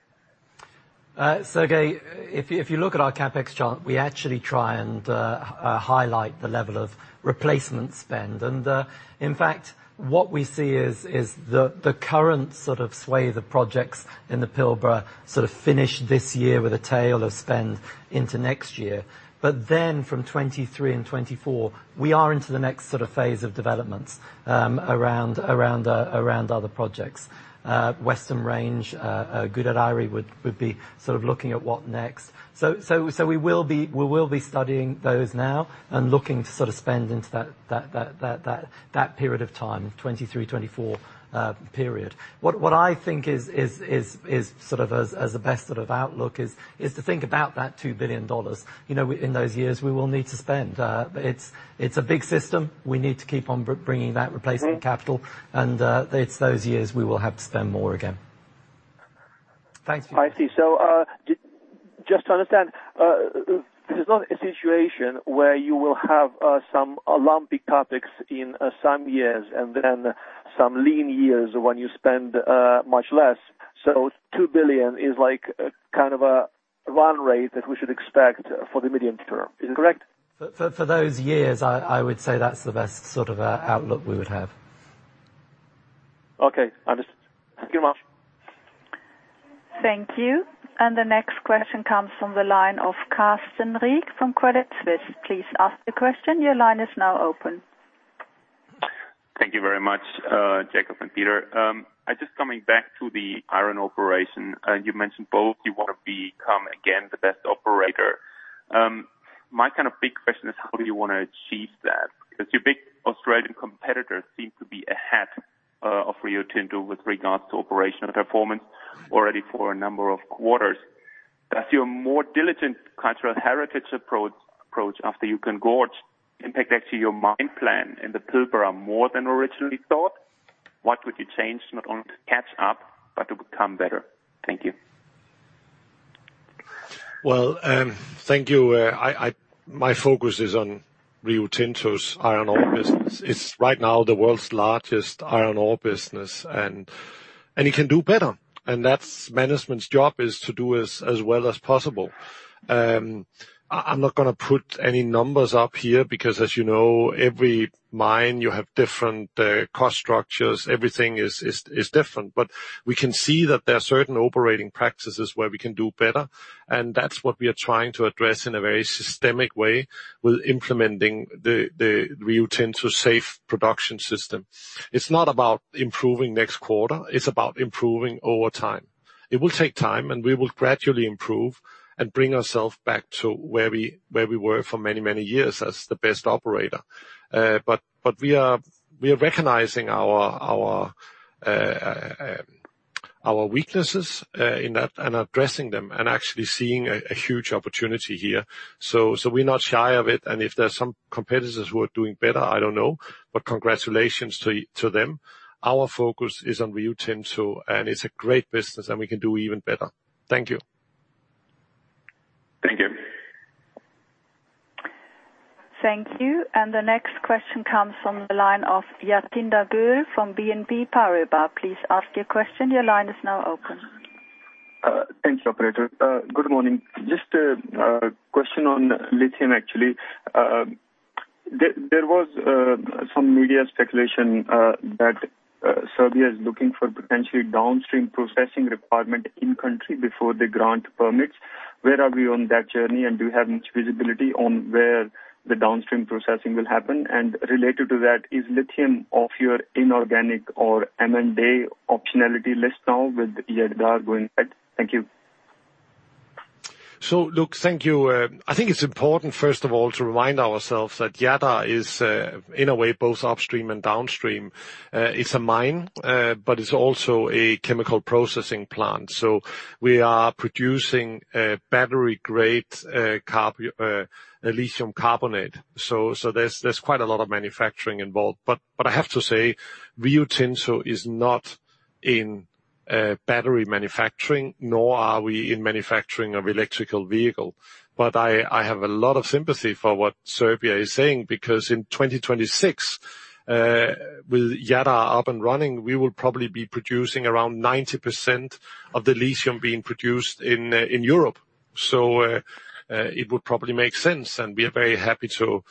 Sergey, if you look at our CapEx chart, we actually try and highlight the level of replacement spend. In fact, what we see is the current sway of the projects in the Pilbara finish this year with a tail of spend into next year. From 2023 and 2024, we are into the next phase of developments around other projects. Western Range, Gudai-Darri would be looking at what next. We will be studying those now and looking to spend into that period of time, 2023, 2024 period. What I think is as a best outlook is to think about that $2 billion. In those years, we will need to spend. It's a big system. We need to keep on bringing that replacement capital, and it's those years we will have to spend more again. I see. Just to understand, this is not a situation where you will have some lumpy CapEx in some years and then some lean years when you spend much less. $2 billion is a kind of a run rate that we should expect for the medium term. Is that correct? For those years, I would say that's the best sort of outlook we would have. Okay. Understood. Thank you much. Thank you. The next question comes from the line of Carsten Riek from Credit Suisse. Please ask the question. Your line is now open. Thank you very much, Jakob and Peter. I'm just coming back to the iron operation. You mentioned both, you want to become again the best operator. My kind of big question is how do you want to achieve that? Because your big Australian competitors seem to be ahead of Rio Tinto with regards to operational performance already for a number of quarters. Does your more diligent cultural heritage approach after Juukan Gorge impact actually your mine plan in the Pilbara more than originally thought? What would you change, not only to catch up, but to become better? Thank you. Thank you. My focus is on Rio Tinto's iron ore business. It's right now the world's largest iron ore business, and it can do better, and that's management's job is to do as well as possible. I'm not going to put any numbers up here because as you know, every mine, you have different cost structures. Everything is different. We can see that there are certain operating practices where we can do better, and that's what we are trying to address in a very systemic way with implementing the Rio Tinto Safe Production System. It's not about improving next quarter, it's about improving over time. It will take time, and we will gradually improve and bring ourselves back to where we were for many, many years as the best operator. We are recognizing our weaknesses in that and addressing them and actually seeing a huge opportunity here. We're not shy of it. If there are some competitors who are doing better, I don't know. Congratulations to them. Our focus is on Rio Tinto, and it's a great business, and we can do even better. Thank you. Thank you. Thank you. The next question comes from the line of [Jatinder Gill] from BNP Paribas. Thank you, operator. Good morning. Just a question on lithium, actually. There was some media speculation that Serbia is looking for potentially downstream processing requirement in-country before they grant permits. Where are we on that journey? Do you have much visibility on where the downstream processing will happen? Related to that, is lithium off your inorganic or M&A optionality list now with Jadar going ahead? Thank you. Look, thank you. I think it's important, first of all, to remind ourselves that Jadar is, in a way, both upstream and downstream. It's a mine, but it's also a chemical processing plant. We are producing battery-grade lithium carbonate. There's quite a lot of manufacturing involved. I have to say, Rio Tinto is not in battery manufacturing, nor are we in manufacturing of electrical vehicle. I have a lot of sympathy for what Serbia is saying because in 2026, with Jadar up and running, we will probably be producing around 90% of the lithium being produced in Europe. It would probably make sense, and we are very happy to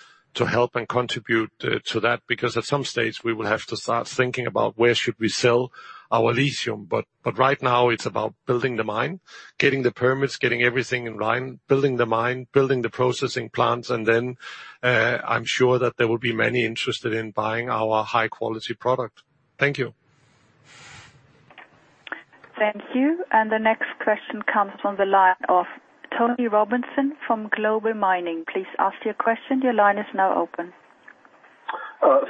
help and contribute to that because at some stage, we will have to start thinking about where should we sell our lithium. Right now it's about building the mine, getting the permits, getting everything in line, building the mine, building the processing plants, then I'm sure that there will be many interested in buying our high-quality product. Thank you. Thank you. The next question comes from the line of Tony Robson from Global Mining Research Please ask your question. Your line is now open.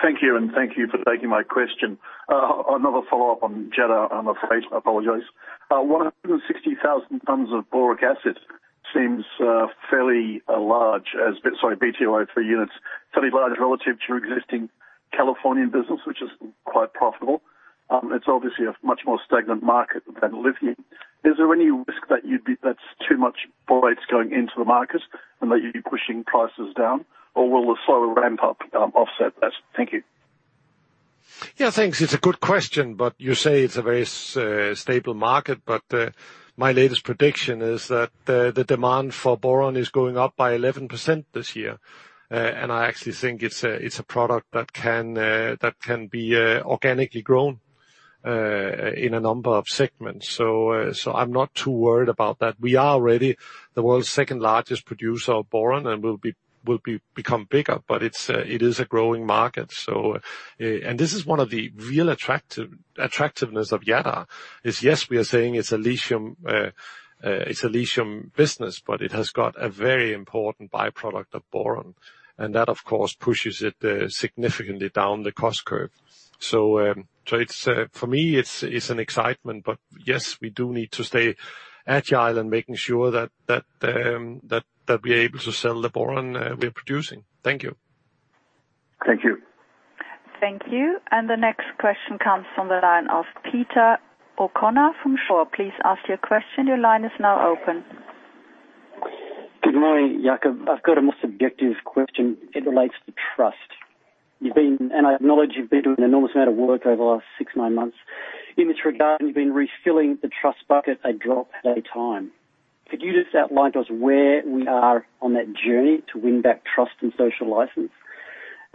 Thank you, and thank you for taking my question. Another follow-up on Jadar, I'm afraid. I apologize. 160,000 tons of boric acid seems fairly large as, sorry, B2O3 units, fairly large relative to your existing Californian business, which is quite profitable. It's obviously a much more stagnant market than lithium. Is there any risk that that's too much borate going into the market and that you'd be pushing prices down? Will the slower ramp-up offset that? Thank you. Yeah, thanks. It's a good question, but you say it's a very stable market, but my latest prediction is that the demand for boron is going up by 11% this year. I actually think it's a product that can be organically grown in a number of segments. I'm not too worried about that. We are already the world's second-largest producer of boron and will become bigger, but it is a growing market. This is one of the real attractiveness of Jadar is yes, we are saying it's a lithium business, but it has got a very important by-product of boron, and that, of course, pushes it significantly down the cost curve. For me, it's an excitement, but yes, we do need to stay agile and making sure that we are able to sell the boron we are producing. Thank you. Thank you. The next question comes from the line of Peter O'Connor from [Shaw and Partners]. Please ask your question. Your line is now open. Good morning, Jakob. I've got a more subjective question. It relates to trust. I acknowledge you've been doing an enormous amount of work over the last six, nine months in this regard, and you've been refilling the trust bucket a drop at a time. Could you just outline to us where we are on that journey to win back trust and social license?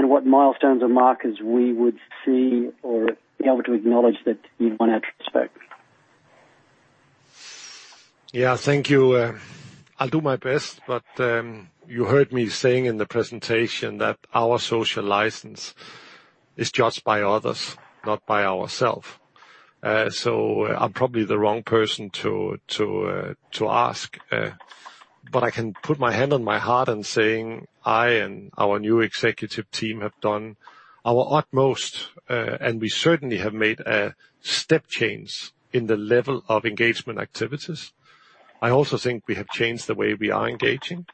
What milestones or markers we would see or be able to acknowledge that you've won our trust back? Thank you. I'll do my best, you heard me saying in the presentation that our social license is judged by others, not by ourselves. I'm probably the wrong person to ask. I can put my hand on my heart in saying, I and our new executive team have done our utmost, and we certainly have made a step change in the level of engagement activities. I also think we have changed the way we are engaging.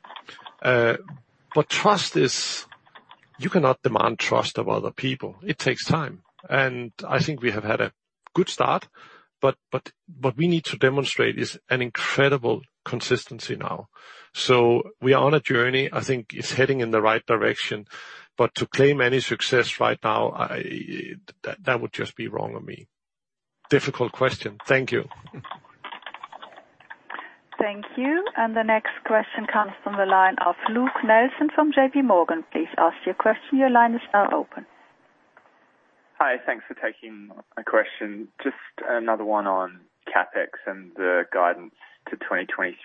Trust, you cannot demand trust of other people. It takes time. I think we have had a good start, but what we need to demonstrate is an incredible consistency now. We are on a journey. I think it's heading in the right direction, but to claim any success right now, that would just be wrong of me. Difficult question. Thank you. Thank you. The next question comes from the line of Luke Nelson from JPMorgan. Please ask your question. Your line is now open. Hi, thanks for taking my question. Just another one on CapEx and the guidance to 2023.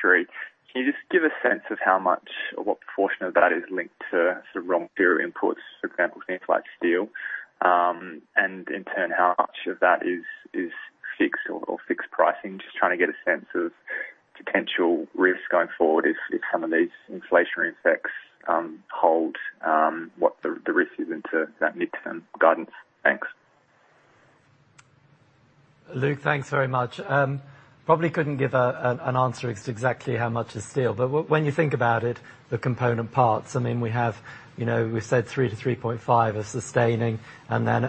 Can you just give a sense of how much or what proportion of that is linked to sort of raw material inputs, for example, things like steel? In turn, how much of that is fixed or fixed pricing? Just trying to get a sense of potential risks going forward if some of these inflationary effects hold, what the risk is into that mid-term guidance. Thanks. Luke, thanks very much. Probably couldn't give an answer as to exactly how much is steel. When you think about it, the component parts, we said 3 to 3.5 are sustaining, and then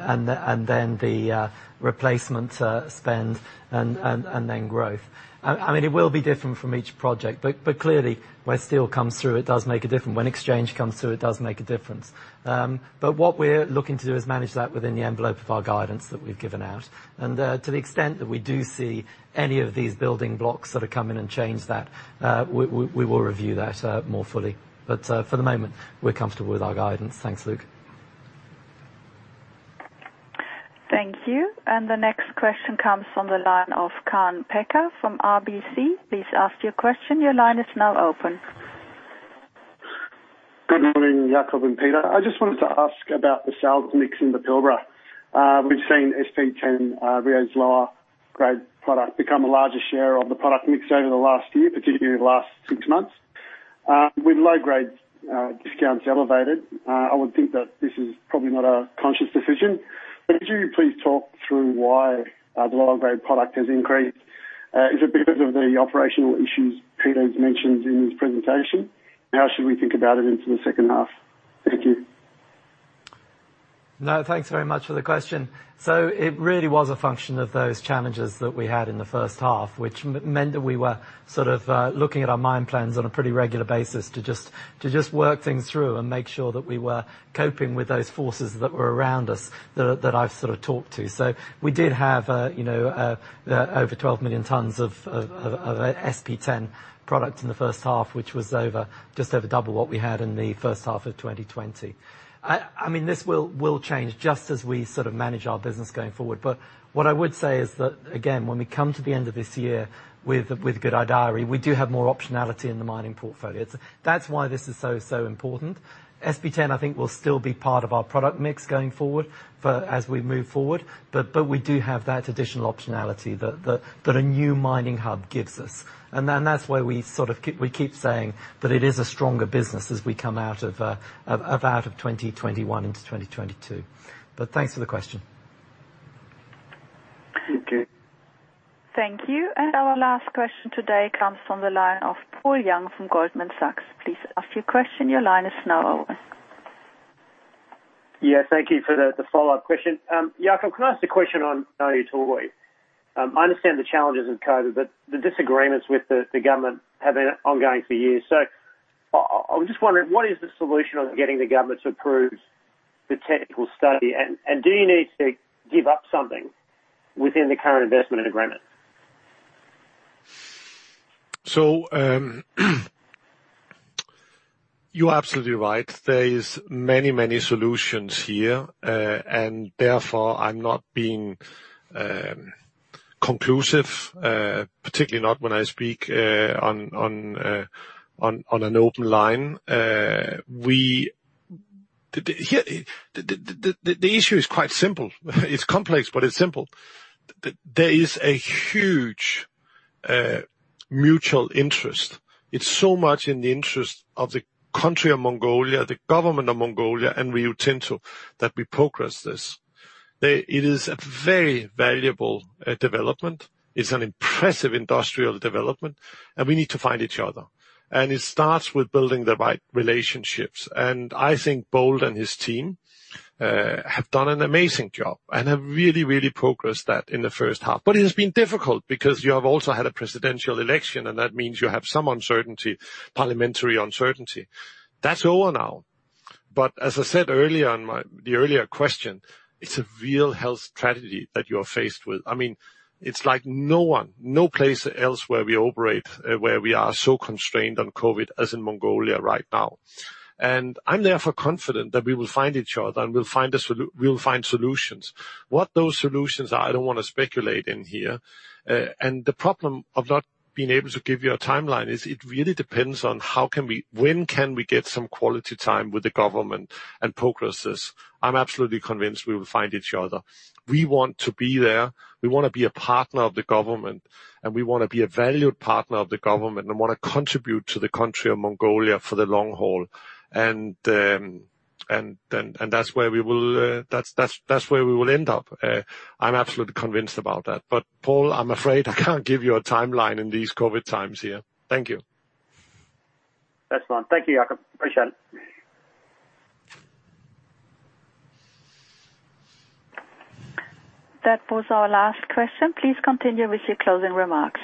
the replacement spend and then growth. It will be different from each project, clearly, where steel comes through, it does make a difference. When exchange comes through, it does make a difference. What we're looking to do is manage that within the envelope of our guidance that we've given out. To the extent that we do see any of these building blocks that are coming and change that, we will review that more fully. For the moment, we're comfortable with our guidance. Thanks, Luke. Thank you. The next question comes from the line of Kaan Peker from RBC. Good morning, Jakob and Peter. I just wanted to ask about the sales mix in Pilbara. We've seen SP10, Rio's lower-grade product, become a larger share of the product mix over the last year, particularly the last six months. With low-grade discounts elevated, I would think that this is probably not a conscious decision. Could you please talk through why the low-grade product has increased? Is it because of the operational issues Peter's mentioned in his presentation? How should we think about it into the second half? Thank you. Thanks very much for the question. It really was a function of those challenges that we had in the first half, which meant that we were sort of looking at our mine plans on a pretty regular basis to just work things through and make sure that we were coping with those forces that were around us that I've sort of talked to. We did have over 12 million tons of SP10 product in the first half, which was just over double what we had in the first half of 2020. This will change just as we sort of manage our business going forward. What I would say is that, again, when we come to the end of this year with a good Gudai-Darri, we do have more optionality in the mining portfolio. That's why this is so important. SP10, I think, will still be part of our product mix going forward, as we move forward, but we do have that additional optionality that a new mining hub gives us. That's why we keep saying that it is a stronger business as we come out of 2021 into 2022. Thanks for the question. Thank you. Thank you. Our last question today comes from the line of Paul Young from Goldman Sachs. Please ask your question. Your line is now open. Yeah, thank you for the follow-up question. Jakob, can I ask a question on Oyu Tolgoi? I understand the challenges of COVID-19, but the disagreements with the government have been ongoing for years. I was just wondering, what is the solution on getting the government to approve the technical study? Do you need to give up something within the current investment agreement? You are absolutely right. There is many, many solutions here. Therefore, I'm not being conclusive, particularly not when I speak on an open line. The issue is quite simple. It's complex, but it's simple. There is a huge mutual interest. It's so much in the interest of the country of Mongolia, the government of Mongolia, and Rio Tinto, that we progress this. It is a very valuable development. It's an impressive industrial development, and we need to find each other. It starts with building the right relationships. I think Bold and his team have done an amazing job and have really progressed that in the first half. It has been difficult because you have also had a presidential election, and that means you have some uncertainty, parliamentary uncertainty. That's over now. As I said earlier on the earlier question, it's a real health tragedy that you are faced with. It's like no one, no place else where we operate, where we are so constrained on COVID as in Mongolia right now. I'm therefore confident that we will find each other and we'll find solutions. What those solutions are, I don't want to speculate in here. The problem of not being able to give you a timeline is it really depends on when can we get some quality time with the government and progress this. I'm absolutely convinced we will find each other. We want to be there. We want to be a partner of the government, and we want to be a valued partner of the government and want to contribute to the country of Mongolia for the long haul. That's where we will end up. I'm absolutely convinced about that. Paul, I'm afraid I can't give you a timeline in these COVID times here. Thank you. That's fine. Thank you, Jakob. Appreciate it. That was our last question. Please continue with your closing remarks.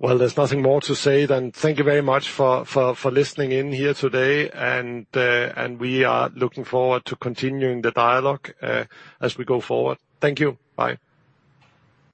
There's nothing more to say than thank you very much for listening in here today, and we are looking forward to continuing the dialogue as we go forward. Thank you. Bye.